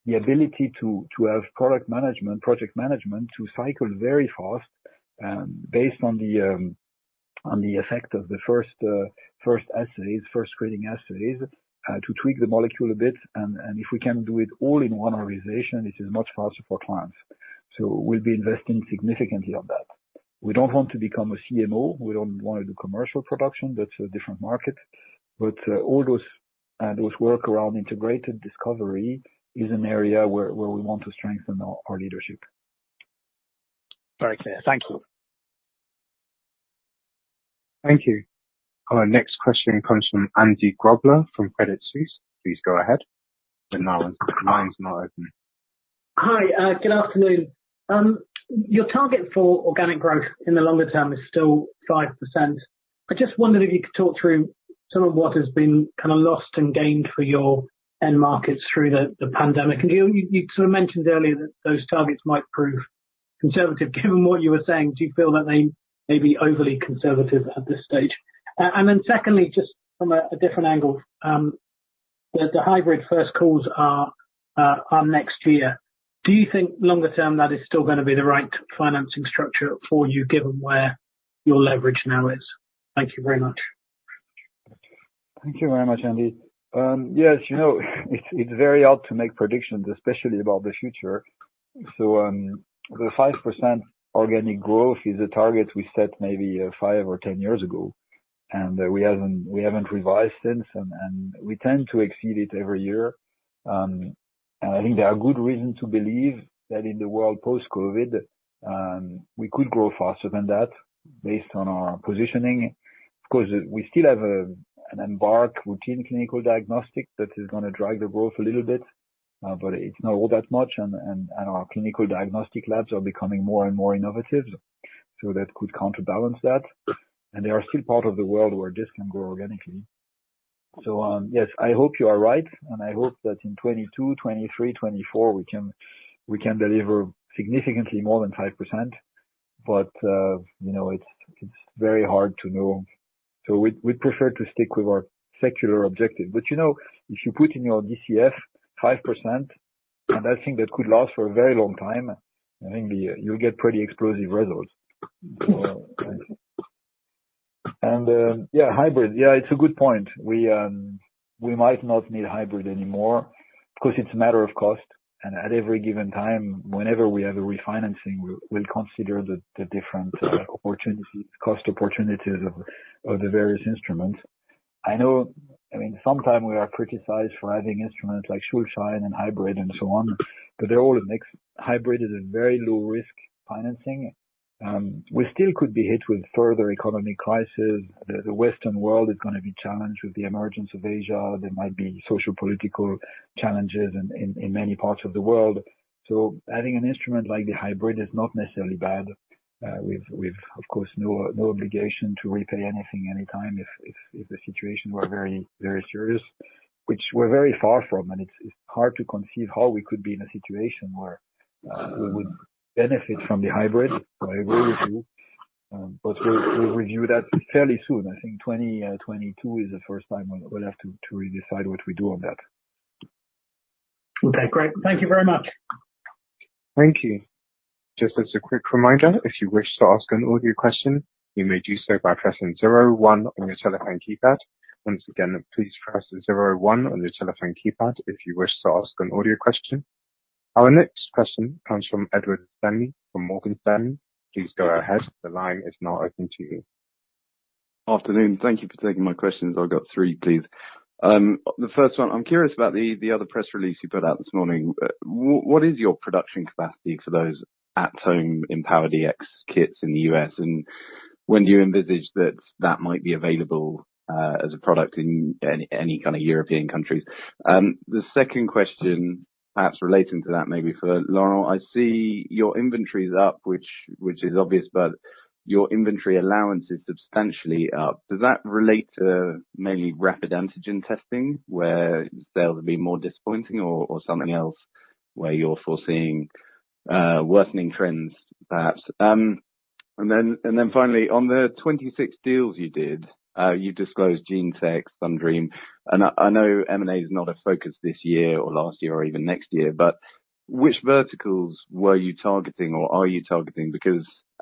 the ability to have product management, project management to cycle very fast based on the effect of the first screening assays to tweak the molecule a bit, and if we can do it all in one organization, it is much faster for clients. We'll be investing significantly on that. We don't want to become a CMO, we don't want to do commercial production. That's a different market. All those work around integrated discovery is an area where we want to strengthen our leadership. Very clear. Thank you. Thank you. Our next question comes from Andy Grobler from Credit Suisse. Please go ahead. The line's now open. Hi. Good afternoon. Your target for organic growth in the longer term is still 5%. I just wondered if you could talk through some of what has been kind of lost and gained for your end markets through the pandemic. You sort of mentioned earlier that those targets might prove conservative given what you were saying. Do you feel that they may be overly conservative at this stage? Secondly, just from a different angle, the hybrid first calls are next year. Do you think longer term that is still going to be the right financing structure for you given where your leverage now is? Thank you very much. Thank you very much, Andy. Yes, it's very hard to make predictions, especially about the future. The 5% organic growth is a target we set maybe five or 10 years ago, and we haven't revised since, and we tend to exceed it every year. I think there are good reasons to believe that in the world post-COVID, we could grow faster than that based on our positioning. Of course, we still have an embarked routine clinical diagnostic that is going to drive the growth a little bit. It's not all that much, and our clinical diagnostic labs are becoming more and more innovative, so that could counterbalance that. They are still part of the world where this can grow organically. Yes, I hope you are right, and I hope that in 2022, 2023, 2024, we can deliver significantly more than 5%. It's very hard to know. We'd prefer to stick with our secular objective. If you put in your DCF 5%, and I think that could last for a very long time, I think you'll get pretty explosive results. Yeah, hybrid. It's a good point. We might not need hybrid anymore because it's a matter of cost. At every given time, whenever we have a refinancing, we'll consider the different cost opportunities of the various instruments. I know, sometimes we are criticized for having instruments like Schuldschein and hybrid and so on, but they all mix. Hybrid is a very low-risk financing. We still could be hit with further economy crisis. The Western world is going to be challenged with the emergence of Asia. There might be sociopolitical challenges in many parts of the world. Having an instrument like the hybrid is not necessarily bad. We've of course, no obligation to repay anything anytime if the situation were very serious, which we're very far from, and it's hard to conceive how we could be in a situation where we would benefit from the hybrid. We'll review that fairly soon. I think 2022 is the first time when we'll have to redefine what we do on that. Okay, great. Thank you very much. Thank you. Just as a quick reminder, if you wish to ask an audio question, you may do so by pressing zero one on your telephone keypad. Once again, please press zero one on your telephone keypad if you wish to ask an audio question. Our next question comes from Edward Stanley from Morgan Stanley. Please go ahead. The line is now open to you. Afternoon. Thank you for taking my questions. I've got three, please. First one, I'm curious about the other press release you put out this morning. What is your production capacity for those at-home empowerDX kits in the U.S., and when do you envisage that that might be available as a product in any kind of European countries? Second question, perhaps relating to that maybe for Laurent, I see your inventory's up, which is obvious, but your inventory allowance is substantially up. Does that relate to mainly rapid antigen testing, where sales will be more disappointing or something else where you're foreseeing worsening trends, perhaps? Finally, on the 26 deals you did, you disclosed GeneTech, SunDream, and I know M&A is not a focus this year or last year or even next year, but which verticals were you targeting or are you targeting?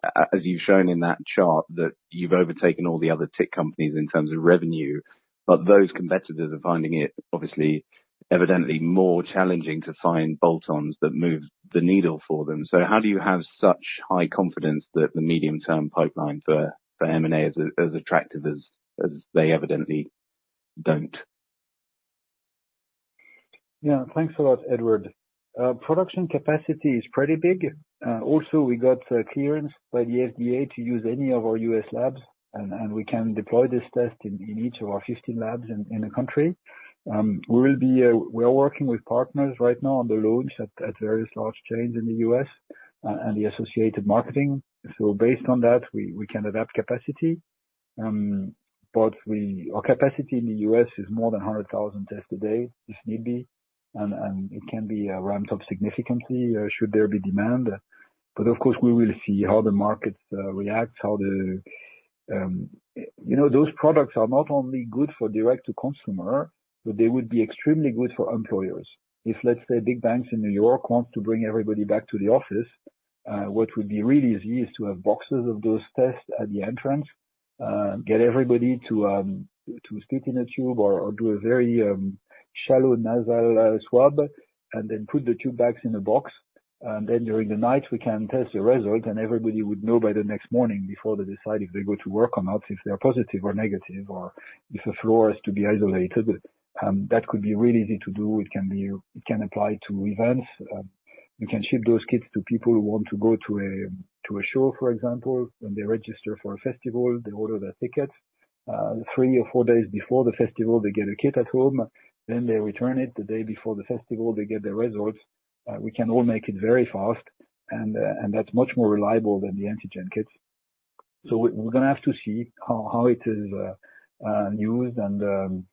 As you've shown in that chart, that you've overtaken all the other TIC companies in terms of revenue, but those competitors are finding it obviously, evidently more challenging to find bolt-ons that move the needle for them. How do you have such high confidence that the medium-term pipeline for M&A is as attractive as they evidently don't? Thanks a lot, Edward. Production capacity is pretty big. Also, we got clearance by the FDA to use any of our U.S. labs, and we can deploy this test in each of our 50 labs in the country. We're working with partners right now on the launch at various large chains in the U.S., and the associated marketing. Based on that, we can adapt capacity. Our capacity in the U.S. is more than 100,000 tests a day, if need be. It can be ramped up significantly should there be demand. Of course, we will see how the market reacts. Those products are not only good for direct-to-consumer, but they would be extremely good for employers. If, let's say, big banks in New York want to bring everybody back to the office, what would be really easy is to have boxes of those tests at the entrance. Get everybody to spit in a tube or do a very shallow nasal swab, then put the tube backs in a box. Then during the night, we can test the result, and everybody would know by the next morning before they decide if they go to work or not, if they are positive or negative, or if a floor is to be isolated. That could be really easy to do. It can apply to events. We can ship those kits to people who want to go to a show, for example. When they register for a festival, they order their tickets. Three or four days before the festival, they get a kit at home. They return it. The day before the festival, they get their results. We can all make it very fast, and that's much more reliable than the antigen kits. We're going to have to see how it is used and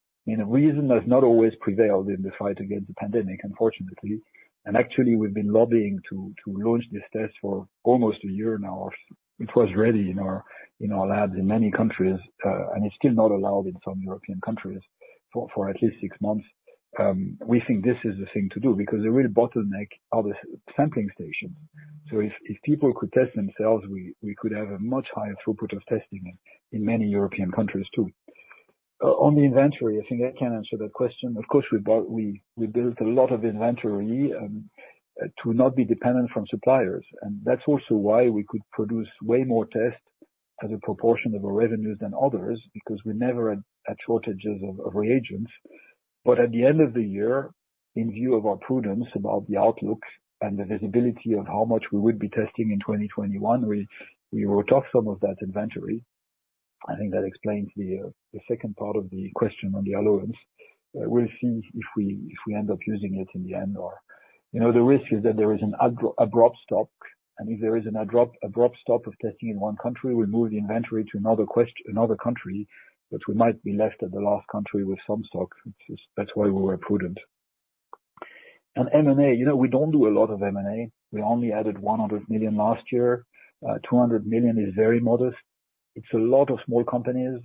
reason has not always prevailed in the fight against pandemic, unfortunately. Actually, we've been lobbying to launch this test for almost a year now. It was ready in our labs in many countries, and it's still not allowed in some European countries for at least six months. We think this is the thing to do, because the real bottleneck are the sampling stations. If people could test themselves, we could have a much higher throughput of testing in many European countries, too. On the inventory, I think I can answer that question. Of course, we built a lot of inventory to not be dependent from suppliers. That's also why we could produce way more tests as a proportion of our revenues than others, because we never had shortages of reagents. At the end of the year, in view of our prudence about the outlook and the visibility of how much we would be testing in 2021, we wrote off some of that inventory. I think that explains the second part of the question on the allowance. We'll see if we end up using it in the end. The risk is that there is an abrupt stop, and if there is an abrupt stop of testing in one country, we move the inventory to another country, but we might be left at the last country with some stock. That's why we were prudent. On M&A, we don't do a lot of M&A. We only added 100 million last year. 200 million is very modest. It's a lot of small companies,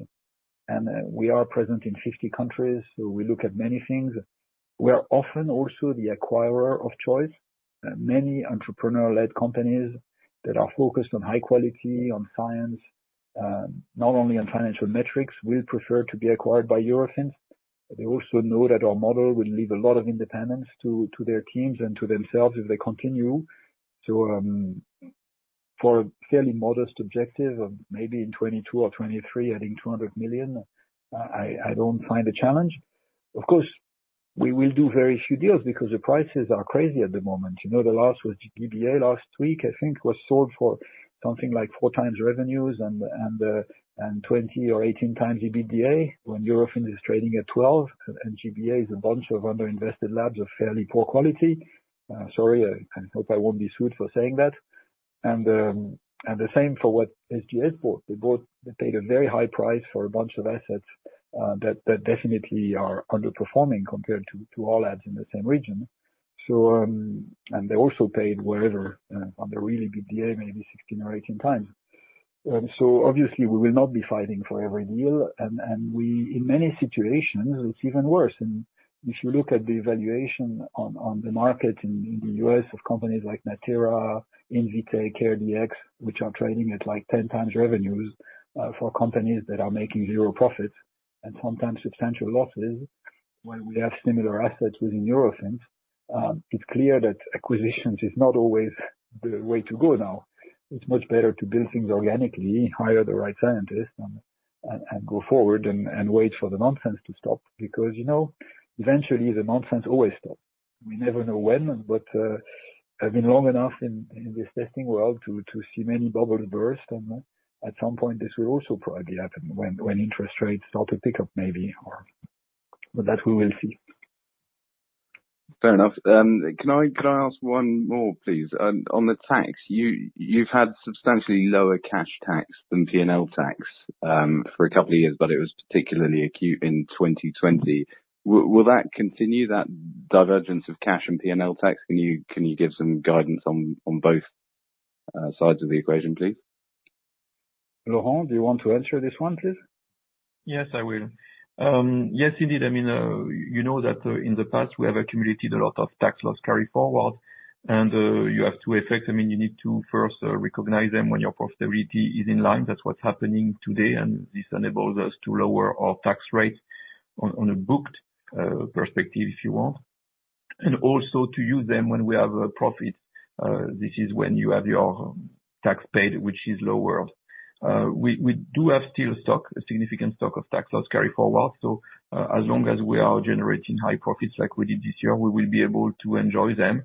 and we are present in 50 countries, so we look at many things. We are often also the acquirer of choice. Many entrepreneur-led companies that are focused on high quality, on science, not only on financial metrics, will prefer to be acquired by Eurofins. They also know that our model will leave a lot of independence to their teams and to themselves as they continue. For a fairly modest objective of maybe in 2022 or 2023 adding 200 million, I don't find a challenge. Of course, we will do very few deals because the prices are crazy at the moment. The last was GBA last week, I think, was sold for something like four times revenues and 20 or 18 times EBITDA, when Eurofins is trading at 12. GBA is a bunch of underinvested labs of fairly poor quality. Sorry, I hope I won't be sued for saying that. The same for what SGS bought. They paid a very high price for a bunch of assets that definitely are underperforming compared to all labs in the same region. They also paid wherever on the really good DA, maybe 16 or 18 times. Obviously, we will not be fighting for every deal. In many situations, it's even worse. If you look at the valuation on the market in the U.S. of companies like Natera, Invitae, CareDx, which are trading at 10 times revenues for companies that are making zero profits and sometimes substantial losses, while we have similar assets within Eurofins. It's clear that acquisitions is not always the way to go now. It's much better to build things organically, hire the right scientists, and go forward and wait for the nonsense to stop. Eventually, the nonsense always stops. We never know when, but I've been long enough in this testing world to see many bubbles burst, and at some point, this will also probably happen when interest rates start to pick up, maybe. That we will see. Fair enough. Can I ask one more, please? On the tax, you've had substantially lower cash tax than P&L tax for a couple of years, but it was particularly acute in 2020. Will that continue, that divergence of cash and P&L tax? Can you give some guidance on both sides of the equation, please? Laurent, do you want to answer this one, please? Yes, I will. Yes, indeed. You know that in the past, we have accumulated a lot of tax loss carry-forward. You have two effects. You need to first recognize them when your profitability is in line. That's what's happening today. This enables us to lower our tax rate on a booked perspective, if you want, and also to use them when we have a profit. This is when you have your tax paid, which is lower. We do have still stock, a significant stock of tax loss carry forward. As long as we are generating high profits like we did this year, we will be able to enjoy them.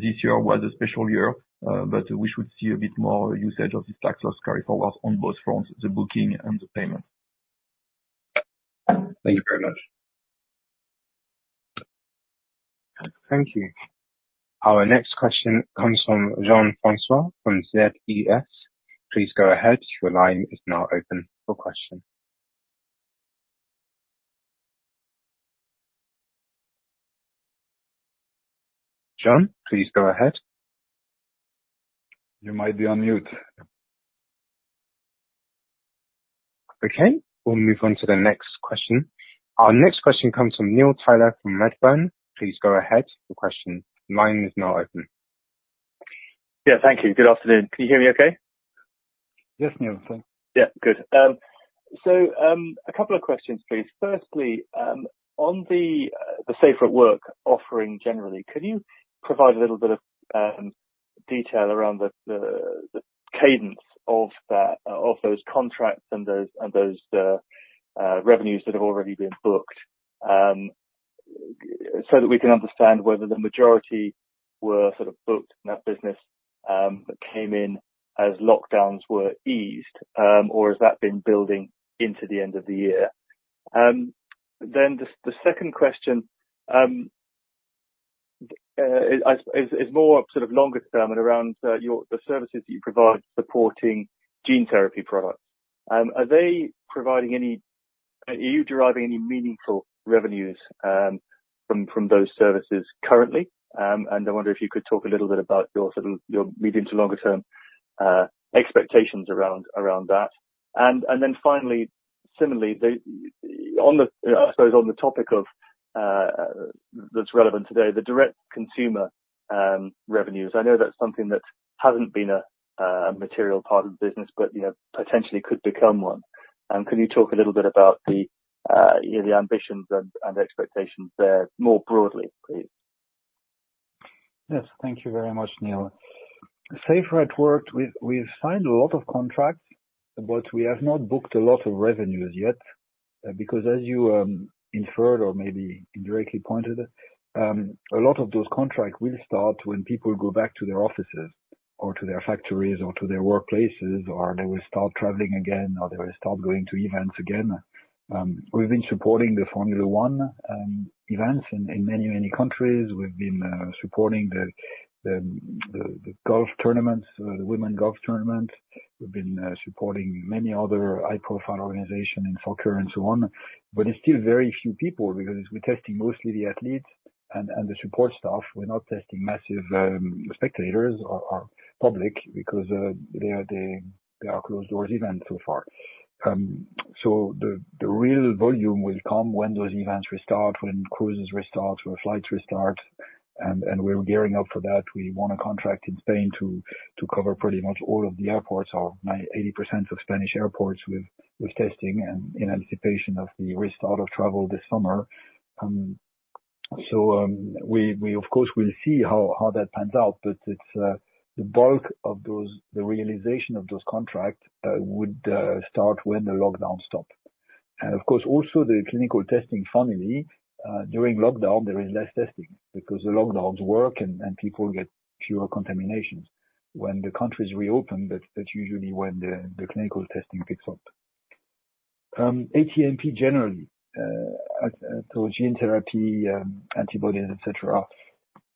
This year was a special year. We should see a bit more usage of this tax loss carry forward on both fronts, the booking and the payment. Thank you very much. Thank you. Our next question comes from [Jean-Francois from ZES]. Please go ahead. Your line is now open for question. [Jean], please go ahead. You might be on mute. Okay, we'll move on to the next question. Our next question comes from Neil Tyler from Redburn. Please go ahead with your question. Yeah. Thank you. Good afternoon. Can you hear me okay? Yes, Neil, fine. Yeah. Good. A couple of questions, please. Firstly, on the SAFER@WORK offering generally, can you provide a little bit of detail around the cadence of those contracts and those revenues that have already been booked, so that we can understand whether the majority were sort of booked in that business, but came in as lockdowns were eased. Or has that been building into the end of the year? The second question is more sort of longer term and around the services that you provide supporting gene therapy products. Are you deriving any meaningful revenues from those services currently? I wonder if you could talk a little bit about your medium to longer term expectations around that. Finally, similarly, I suppose on the topic of, that's relevant today, the direct consumer revenues. I know that's something that hasn't been a material part of the business, but potentially could become one. Can you talk a little bit about the ambitions and expectations there more broadly, please? Yes. Thank you very much, Neil. SAFER@WORK, we've signed a lot of contracts, but we have not booked a lot of revenues yet because as you inferred or maybe indirectly pointed, a lot of those contracts will start when people go back to their offices or to their factories or to their workplaces, or they will start traveling again, or they will start going to events again. We've been supporting the Formula One events in many, many countries. We've been supporting the golf tournaments, the women golf tournament. We've been supporting many other high-profile organization in soccer and so on. It's still very few people because we're testing mostly the athletes and the support staff. We're not testing massive spectators or public because they are closed doors events so far. The real volume will come when those events restart, when cruises restart, when flights restart, and we're gearing up for that. We won a contract in Spain to cover pretty much all of the airports or 80% of Spanish airports with testing and in anticipation of the restart of travel this summer. We of course will see how that pans out, but the bulk of the realization of those contracts would start when the lockdowns stop. Of course, also the clinical testing family, during lockdown, there is less testing because the lockdowns work and people get fewer contaminations. When the countries reopen, that's usually when the clinical testing picks up. ATMP generally, so gene therapy, antibodies, et cetera.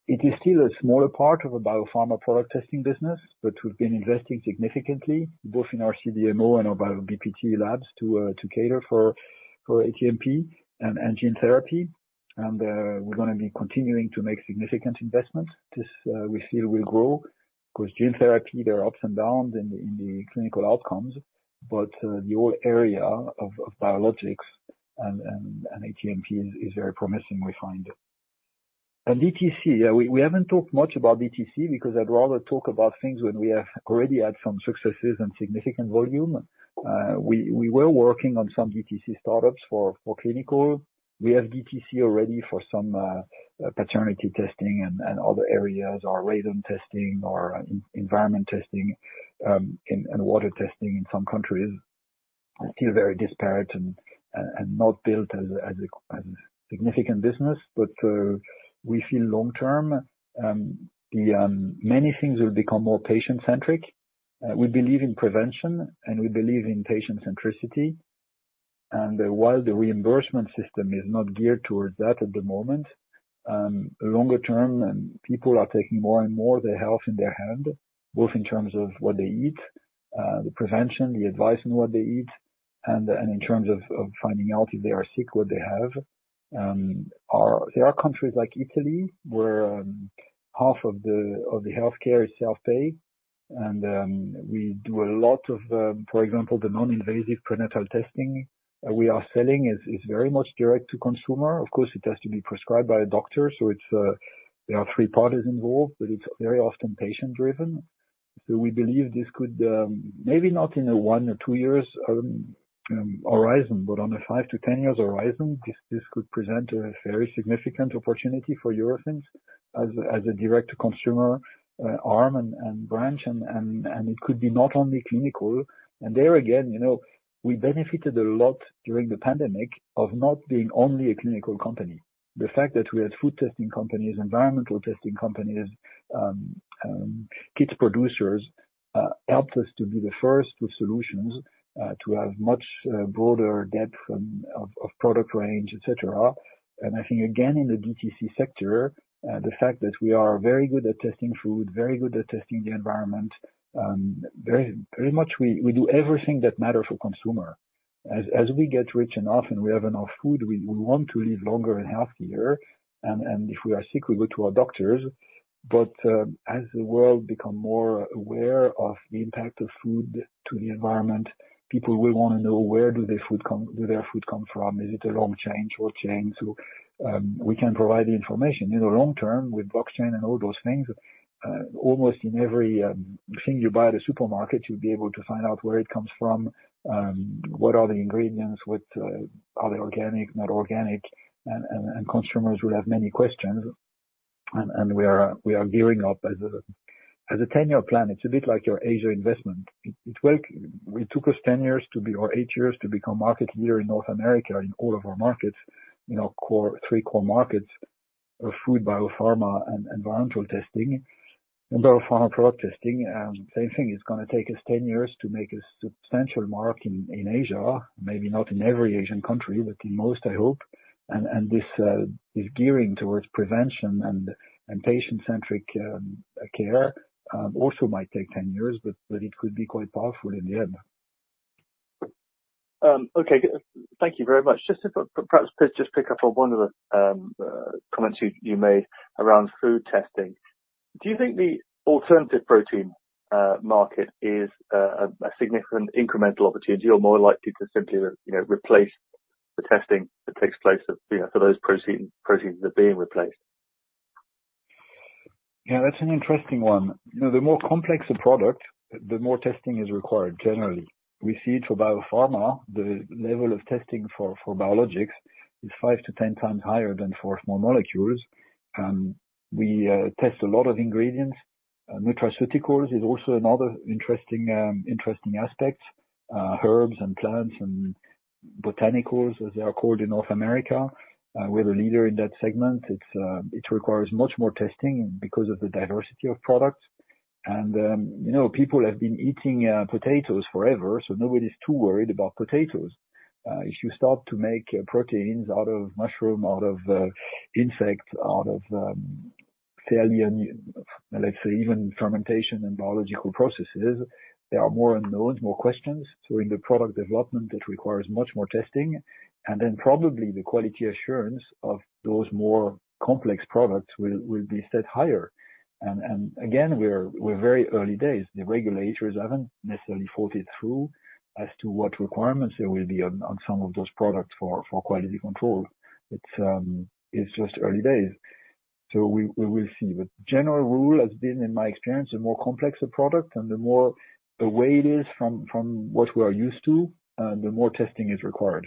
It is still a smaller part of a BioPharma Product Testing business, but we've been investing significantly both in our CDMO and our BPT labs to cater for ATMP and gene therapy. We're going to be continuing to make significant investments. This we feel will grow because gene therapy, there are ups and downs in the clinical outcomes, but the whole area of biologics and ATMP is very promising, we find. DTC, we haven't talked much about DTC because I'd rather talk about things when we have already had some successes and significant volume. We were working on some DTC startups for clinical. We have DTC already for some paternity testing and other areas, our radon testing, our environment testing, and water testing in some countries. Still very disparate and not built as a significant business. We feel long term, many things will become more patient-centric. We believe in prevention, and we believe in patient centricity. While the reimbursement system is not geared towards that at the moment, longer term, people are taking more and more their health in their hand, both in terms of what they eat, the prevention, the advice on what they eat, and in terms of finding out if they are sick, what they have. There are countries like Italy where half of the healthcare is self-pay. We do a lot of, for example, the non-invasive prenatal testing we are selling is very much direct-to-consumer. Of course, it has to be prescribed by a doctor. There are three parties involved, but it's very often patient-driven. We believe this could, maybe not in a one or two years horizon, but on a 5-10 years horizon, this could present a very significant opportunity for Eurofins. As a direct-to-consumer arm and branch, and it could be not only clinical. There again, we benefited a lot during the pandemic of not being only a clinical company. The fact that we had food testing companies, environmental testing companies, kits producers, helped us to be the first with solutions to have much broader depth of product range, et cetera. I think, again, in the DTC sector, the fact that we are very good at testing food, very good at testing the environment, very much we do everything that matters for consumer. As we get rich and often we have enough food, we want to live longer and healthier. If we are sick, we go to our doctors. As the world become more aware of the impact of food to the environment, people will want to know where do their food come from. Is it a long chain, short chain? We can provide the information. In the long term with blockchain and all those things, almost in everything you buy at a supermarket, you'll be able to find out where it comes from, what are the ingredients, are they organic, not organic? Consumers will have many questions, and we are gearing up as a 10-year plan. It's a bit like your Asia investment. It took us eight years to become market leader in North America in all of our markets, three core markets of food, biopharma, and environmental testing and BioPharma Product Testing. Same thing, it's going to take us 10 years to make a substantial mark in Asia. Maybe not in every Asian country, but in most, I hope. This is gearing towards prevention and patient-centric care. Also might take 10 years, but it could be quite powerful in the end. Okay. Thank you very much. Just to perhaps just pick up on one of the comments you made around food testing. Do you think the alternative protein market is a significant incremental opportunity, or more likely to simply replace the testing that takes place for those proteins that are being replaced? That's an interesting one. The more complex a product, the more testing is required generally. We see it for biopharma. The level of testing for biologics is 5-10 times higher than for small molecules. We test a lot of ingredients. Nutraceuticals is also another interesting aspect. Herbs and plants and botanicals, as they are called in North America. We're the leader in that segment. It requires much more testing because of the diversity of products. People have been eating potatoes forever, so nobody's too worried about potatoes. If you start to make proteins out of mushroom, out of insect, out of cellular, let's say even fermentation and biological processes, there are more unknowns, more questions. In the product development, it requires much more testing, and then probably the quality assurance of those more complex products will be set higher. Again, we're very early days. The regulators haven't necessarily thought it through as to what requirements there will be on some of those products for quality control. It's just early days. We will see. General rule has been, in my experience, the more complex a product and the more away it is from what we are used to, the more testing is required.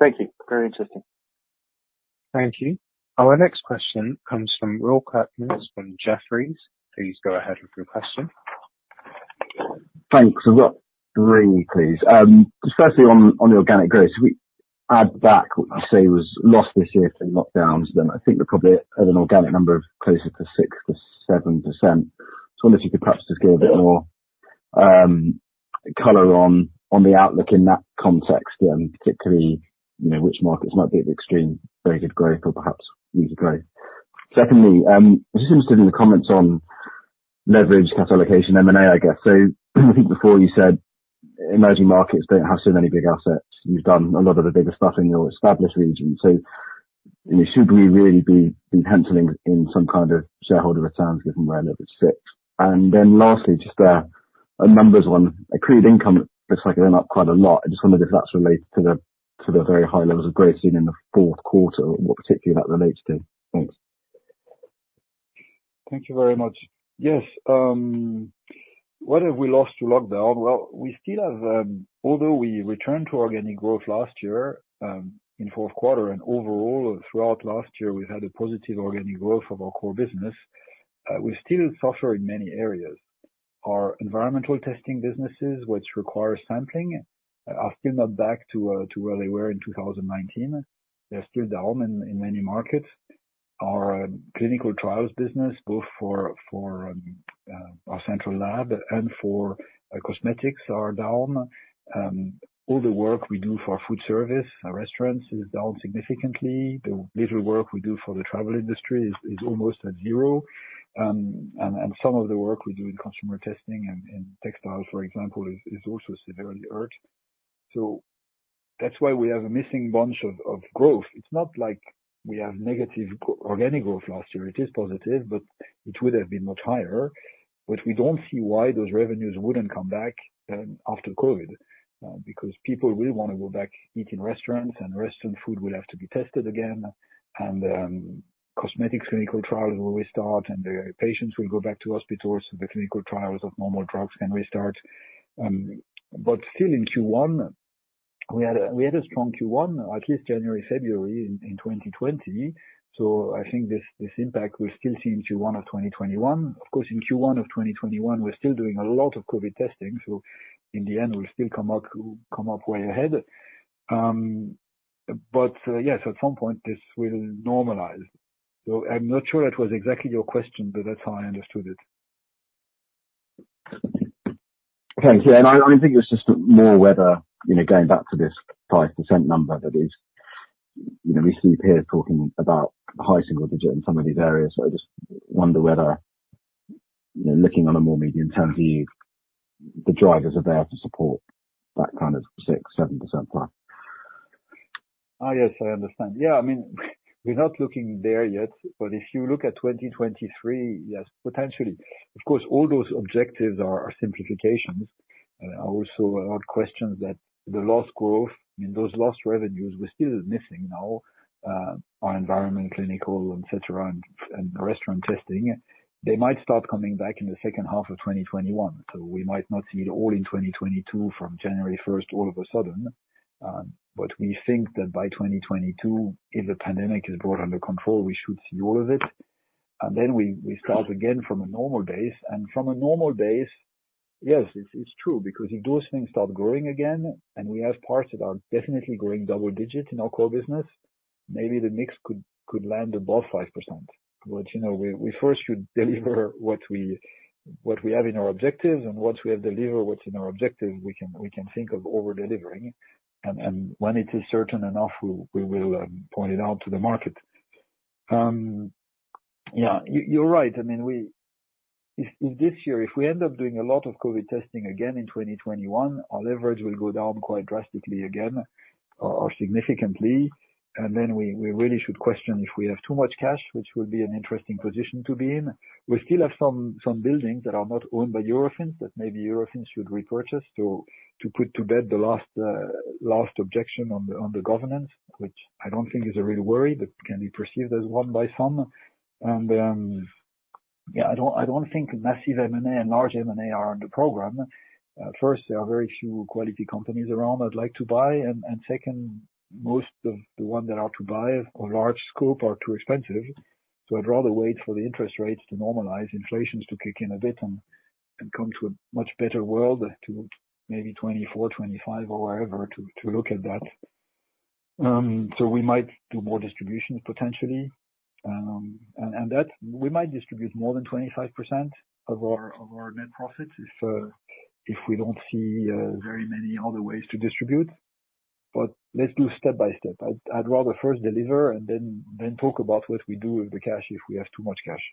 Thank you. Very interesting. Thank you. Our next question comes from Will Kirkness from Jefferies. Please go ahead with your question. Thanks. I've got three, please. Just firstly on the organic growth, if we add back what I say was lost this year to lockdowns, then I think we're probably at an organic number of closer to 6%-7%. I wonder if you could perhaps just give a bit more color on the outlook in that context, and particularly which markets might be at extreme very good growth or perhaps weaker growth. Secondly, just interested in the comments on leverage capital allocation, M&A, I guess. I think before you said emerging markets don't have so many big assets. You've done a lot of the bigger stuff in your established regions. Should we really be penciling in some kind of shareholder returns given where leverage sits? Lastly, just a numbers one. Accrued income looks like it went up quite a lot. I just wonder if that's related to the very high levels of growth seen in the fourth quarter, and what particularly that relates to. Thanks. Thank you very much. Yes. What have we lost to lockdown? Well, although we returned to organic growth last year in fourth quarter and overall throughout last year, we've had a positive organic growth of our core business. We still suffer in many areas. Our environmental testing businesses, which require sampling, are still not back to where they were in 2019. They're still down in many markets. Our clinical trials business, both for our Central Lab and for cosmetics, are down. All the work we do for food service, restaurants, is down significantly. The little work we do for the travel industry is almost at zero. Some of the work we do in consumer testing and textiles, for example, is also severely hurt. That's why we have a missing bunch of growth. It's not like we have negative organic growth last year. It is positive, but it would have been much higher. We don't see why those revenues wouldn't come back after COVID, because people will want to go back eating restaurants, and restaurant food will have to be tested again. Cosmetics clinical trials will restart, and the patients will go back to hospitals, so the clinical trials of normal drugs can restart. Still in Q1 we had a strong Q1, at least January, February in 2020. I think this impact will still be in Q1 of 2021. Of course, in Q1 of 2021, we're still doing a lot of COVID testing, so in the end, we'll still come up way ahead. Yes, at some point this will normalize. I'm not sure that was exactly your question, but that's how I understood it. Okay. Yeah. I think it's just more whether, going back to this 5% number that is, we see peers talking about high single digit in some of these areas. I just wonder whether, looking on a more medium-term view, the drivers are there to support that kind of 6%, 7%+. Oh, yes, I understand. Yeah, we're not looking there yet, but if you look at 2023, yes, potentially. Of course, all those objectives are simplifications. Also, odd questions that the lost growth, those lost revenues we're still missing now, our environment, clinical, et cetera, and restaurant testing, they might start coming back in the second half of 2021. We might not see it all in 2022 from January 1st all of a sudden. We think that by 2022, if the pandemic is brought under control, we should see all of it. Then we start again from a normal base. From a normal base, yes, it's true, because if those things start growing again, and we have parts that are definitely growing double digits in our core business, maybe the mix could land above 5%. We first should deliver what we have in our objectives. Once we have delivered what's in our objective, we can think of over-delivering. When it is certain enough, we will point it out to the market. Yeah, you're right. If this year, if we end up doing a lot of COVID testing again in 2021, our leverage will go down quite drastically again, or significantly. Then we really should question if we have too much cash, which would be an interesting position to be in. We still have some buildings that are not owned by Eurofins that maybe Eurofins should repurchase to put to bed the last objection on the governance, which I don't think is a real worry, but can be perceived as one by some. Yeah, I don't think massive M&A and large M&A are on the program. First, there are very few quality companies around I'd like to buy, and second, most of the ones that are to buy or large scope are too expensive, I'd rather wait for the interest rates to normalize, inflations to kick in a bit, and come to a much better world to maybe 2024, 2025, or wherever to look at that. We might do more distributions, potentially. That we might distribute more than 25% of our net profits if we don't see very many other ways to distribute. Let's do step by step. I'd rather first deliver and then talk about what we do with the cash if we have too much cash.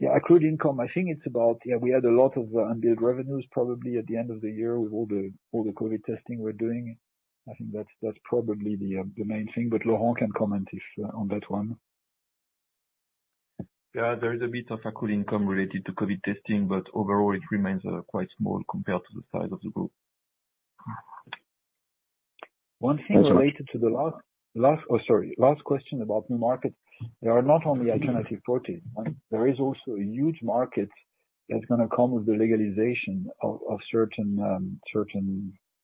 Yeah, accrued income, I think it's about, we had a lot of unbilled revenues probably at the end of the year with all the COVID testing we're doing. I think that's probably the main thing, but Laurent can comment on that one. Yeah, there is a bit of accrued income related to COVID testing, but overall it remains quite small compared to the size of the group. One thing related to the last question about new markets. They are not only alternative protein. There is also a huge market that's going to come with the legalization of certain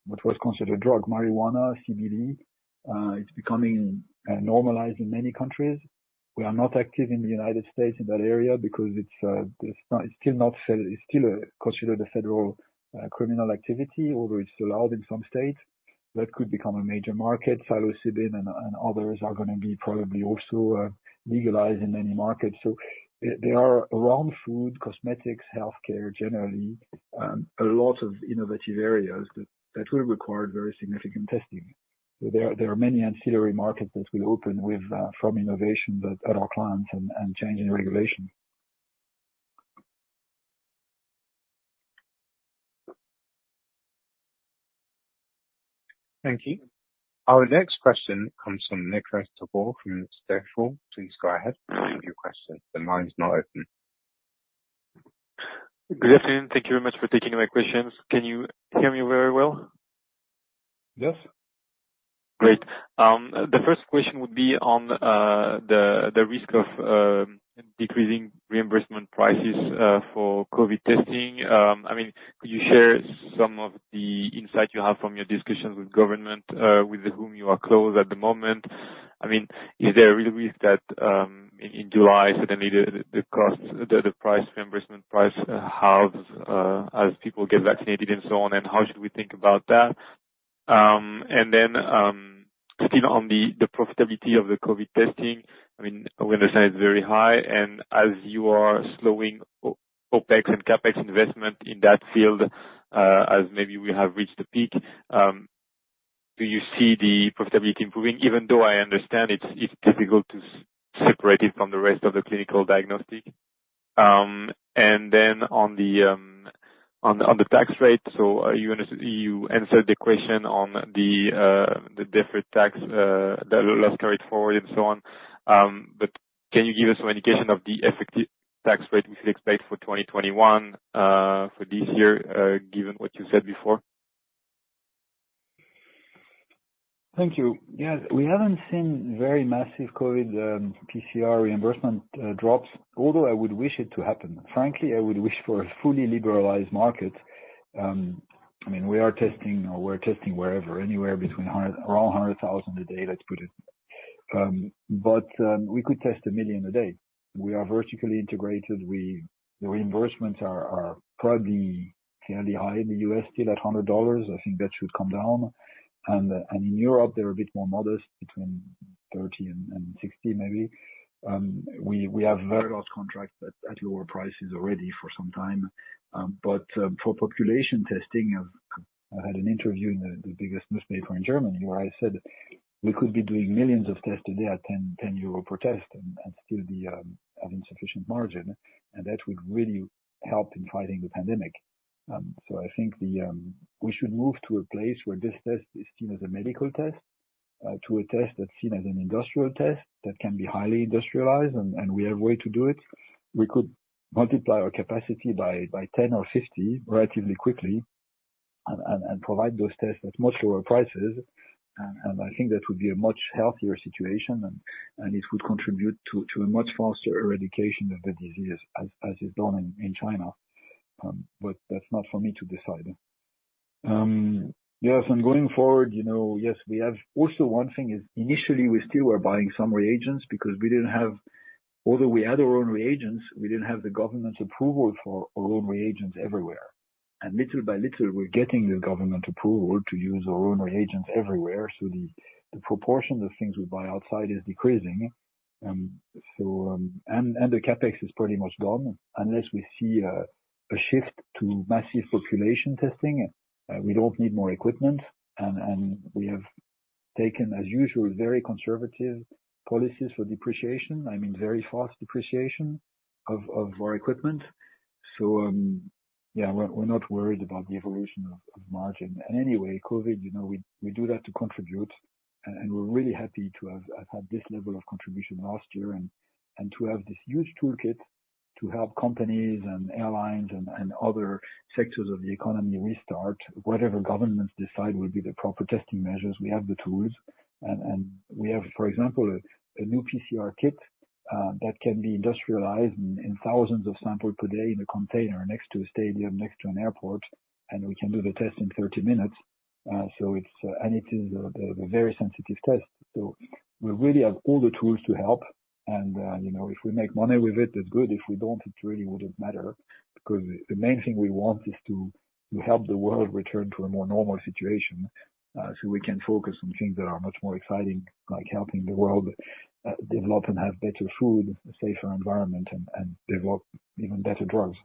what was considered drug, marijuana, CBD. It's becoming normalized in many countries. We are not active in the U.S. in that area because it's still considered a federal criminal activity, although it's allowed in some states. That could become a major market. Psilocybin and others are going to be probably also legalized in many markets. There are around food, cosmetics, healthcare generally, a lot of innovative areas that will require very significant testing. There are many ancillary markets that will open from innovation at our clients and changing regulation. Thank you. Our next question comes from Nicolas Tabor from Stifel. Please go ahead and ask your question. The line's now open. Good afternoon. Thank you very much for taking my questions. Can you hear me very well? Yes. Great. The first question would be on the risk of decreasing reimbursement prices for COVID testing. Could you share some of the insight you have from your discussions with government, with whom you are close at the moment? Is there a real risk that in July, suddenly the price reimbursement price halves as people get vaccinated and so on, and how should we think about that? Still on the profitability of the COVID testing, I understand it's very high, and as you are slowing OpEx and CapEx investment in that field, as maybe we have reached the peak, do you see the profitability improving? Even though I understand it's difficult to separate it from the rest of the clinical diagnostic. On the tax rate. You answered the question on the deferred tax, the loss carried forward and so on. Can you give us some indication of the effective tax rate we should expect for 2021, for this year, given what you said before? Thank you. Yes, we haven't seen very massive COVID PCR reimbursement drops, although I would wish it to happen. Frankly, I would wish for a fully liberalized market. We are testing wherever, anywhere between around 100,000 a day, let's put it. We could test a million a day. We are vertically integrated. The reimbursements are probably fairly high in the U.S., still at $100. I think that should come down, and in Europe, they're a bit more modest, between 30 and 60 maybe. We have very large contracts at lower prices already for some time. For population testing, I had an interview in the biggest newspaper in Germany where I said we could be doing millions of tests a day at 10 euro per test and still be having sufficient margin, and that would really help in fighting the pandemic. I think we should move to a place where this test is seen as a medical test, to a test that's seen as an industrial test that can be highly industrialized, and we have a way to do it. We could multiply our capacity by 10 or 50 relatively quickly and provide those tests at much lower prices. I think that would be a much healthier situation, and it would contribute to a much faster eradication of the disease, as is done in China. That's not for me to decide. Yes, going forward, also one thing is, initially, we still were buying some reagents because although we had our own reagents, we didn't have the government's approval for our own reagents everywhere. Little by little, we're getting the government approval to use our own reagents everywhere. The proportion of things we buy outside is decreasing. The CapEx is pretty much gone. Unless we see a shift to massive population testing, we don't need more equipment. We have taken, as usual, very conservative policies for depreciation. I mean, very fast depreciation of our equipment. Yeah, we're not worried about the evolution of margin. Anyway, COVID, we do that to contribute, and we're really happy to have had this level of contribution last year and to have this huge toolkit to help companies and airlines and other sectors of the economy restart. Whatever governments decide will be the proper testing measures, we have the tools. We have, for example, a new PCR kit that can be industrialized in thousands of samples per day in a container next to a stadium, next to an airport, and we can do the test in 30 minutes. It is a very sensitive test. We really have all the tools to help, and if we make money with it, that's good. If we don't, it really wouldn't matter because the main thing we want is to help the world return to a more normal situation so we can focus on things that are much more exciting. Like helping the world develop and have better food, a safer environment, and develop even better drugs.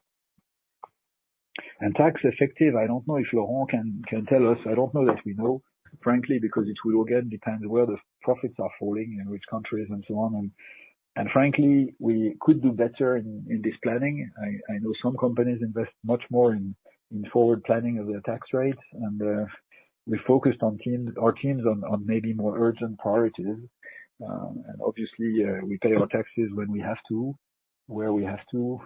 Tax effective, I don't know if Laurent can tell us. I don't know if we know, frankly, because it will again depend where the profits are falling, in which countries and so on. Frankly, we could do better in this planning. I know some companies invest much more in forward planning of their tax rates, and we focused our teams on maybe more urgent priorities. Obviously, we pay our taxes when we have to, where we have to.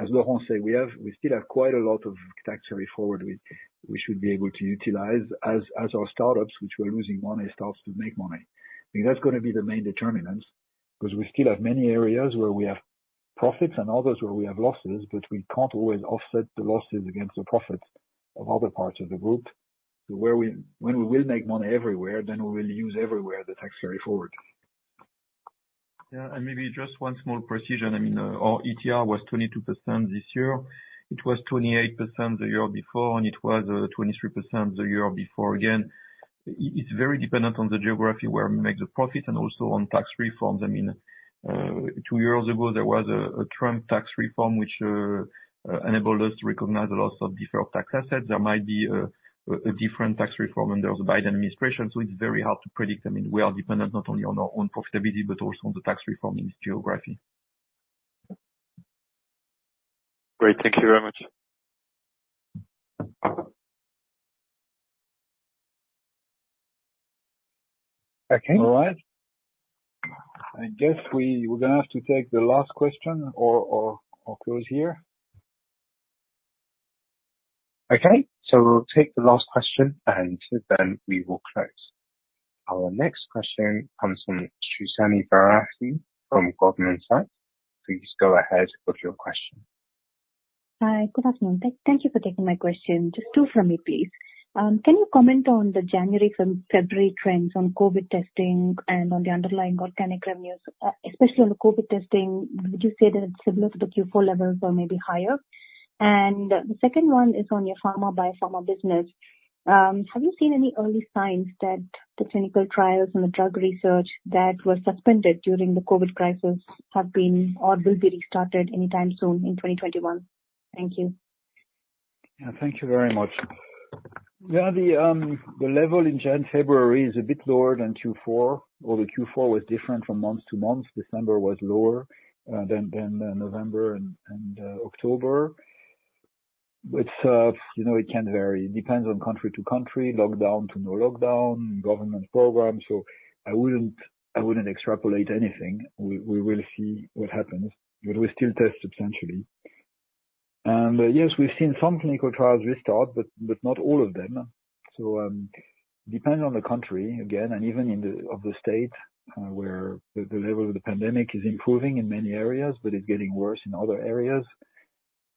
As Laurent said, we still have quite a lot of tax carry-forward we should be able to utilize as our startups, which were losing money, starts to make money. That's going to be the main determinant, because we still have many areas where we have profits and others where we have losses, but we can't always offset the losses against the profits of other parts of the group. When we will make money everywhere, then we will use everywhere the tax carry-forward. Yeah, maybe just one small precision. Our ETR was 22% this year. It was 28% the year before, and it was 23% the year before again. It's very dependent on the geography where we make the profit and also on tax reforms. Two years ago, there was a Trump tax reform which enabled us to recognize a lot of deferred tax assets. There might be a different tax reform under the Biden administration, so it's very hard to predict. We are dependent not only on our own profitability, but also on the tax reform in this geography. Great. Thank you very much. Okay. All right. I guess we're going to have to take the last question or close here. We'll take the last question, and then we will close. Our next question comes from Suhasini Varanasi from Goldman Sachs. Please go ahead with your question. Hi. Good afternoon. Thank you for taking my question. Just two from me, please. Can you comment on the January from February trends on COVID testing and on the underlying organic revenues? Especially on the COVID testing, would you say that it's similar to the Q4 levels or maybe higher? The second one is on your pharma, biopharma business. Have you seen any early signs that the clinical trials and the drug research that were suspended during the COVID crisis have been or will be restarted anytime soon in 2021? Thank you. Thank you very much. The level in February is a bit lower than Q4. Q4 was different from month to month. December was lower than November and October, which it can vary. It depends on country to country, lockdown to no lockdown, government programs. I wouldn't extrapolate anything. We will see what happens. We still test substantially. Yes, we've seen some clinical trials restart, but not all of them. Depends on the country, again, and even of the state, where the level of the pandemic is improving in many areas, but it's getting worse in other areas.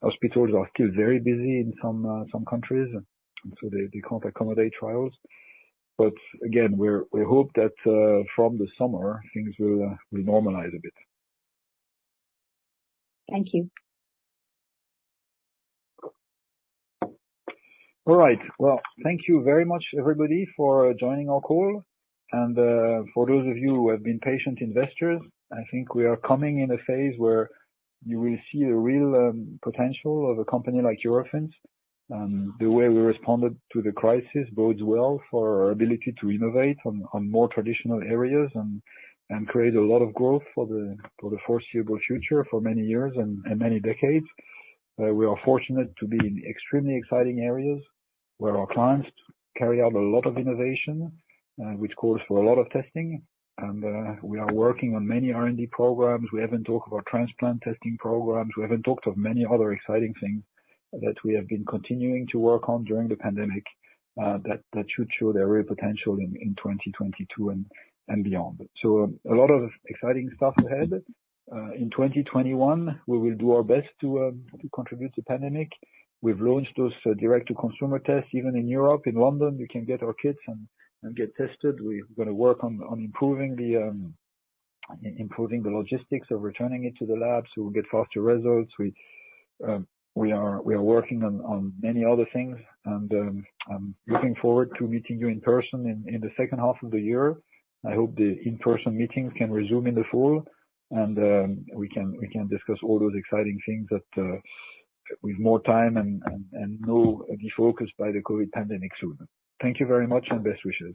Hospitals are still very busy in some countries, and so they can't accommodate trials. Again, we hope that from the summer, things will normalize a bit. Thank you. All right. Well, thank you very much, everybody, for joining our call. For those of you who have been patient investors, I think we are coming in a phase where you will see the real potential of a company like Eurofins. The way we responded to the crisis bodes well for our ability to innovate on more traditional areas and create a lot of growth for the foreseeable future, for many years and many decades. We are fortunate to be in extremely exciting areas where our clients carry out a lot of innovation, which calls for a lot of testing. We are working on many R&D programs. We haven't talked about transplant testing programs. We haven't talked of many other exciting things that we have been continuing to work on during the pandemic that should show their real potential in 2022 and beyond. A lot of exciting stuff ahead. In 2021, we will do our best to contribute to pandemic. We've launched those direct-to-consumer tests, even in Europe, in London, you can get our kits and get tested. We're going to work on improving the logistics of returning it to the lab, so we'll get faster results. We are working on many other things, and I'm looking forward to meeting you in person in the second half of the year. I hope the in-person meetings can resume in the fall, and we can discuss all those exciting things with more time and no defocus by the COVID pandemic soon. Thank you very much, and best wishes.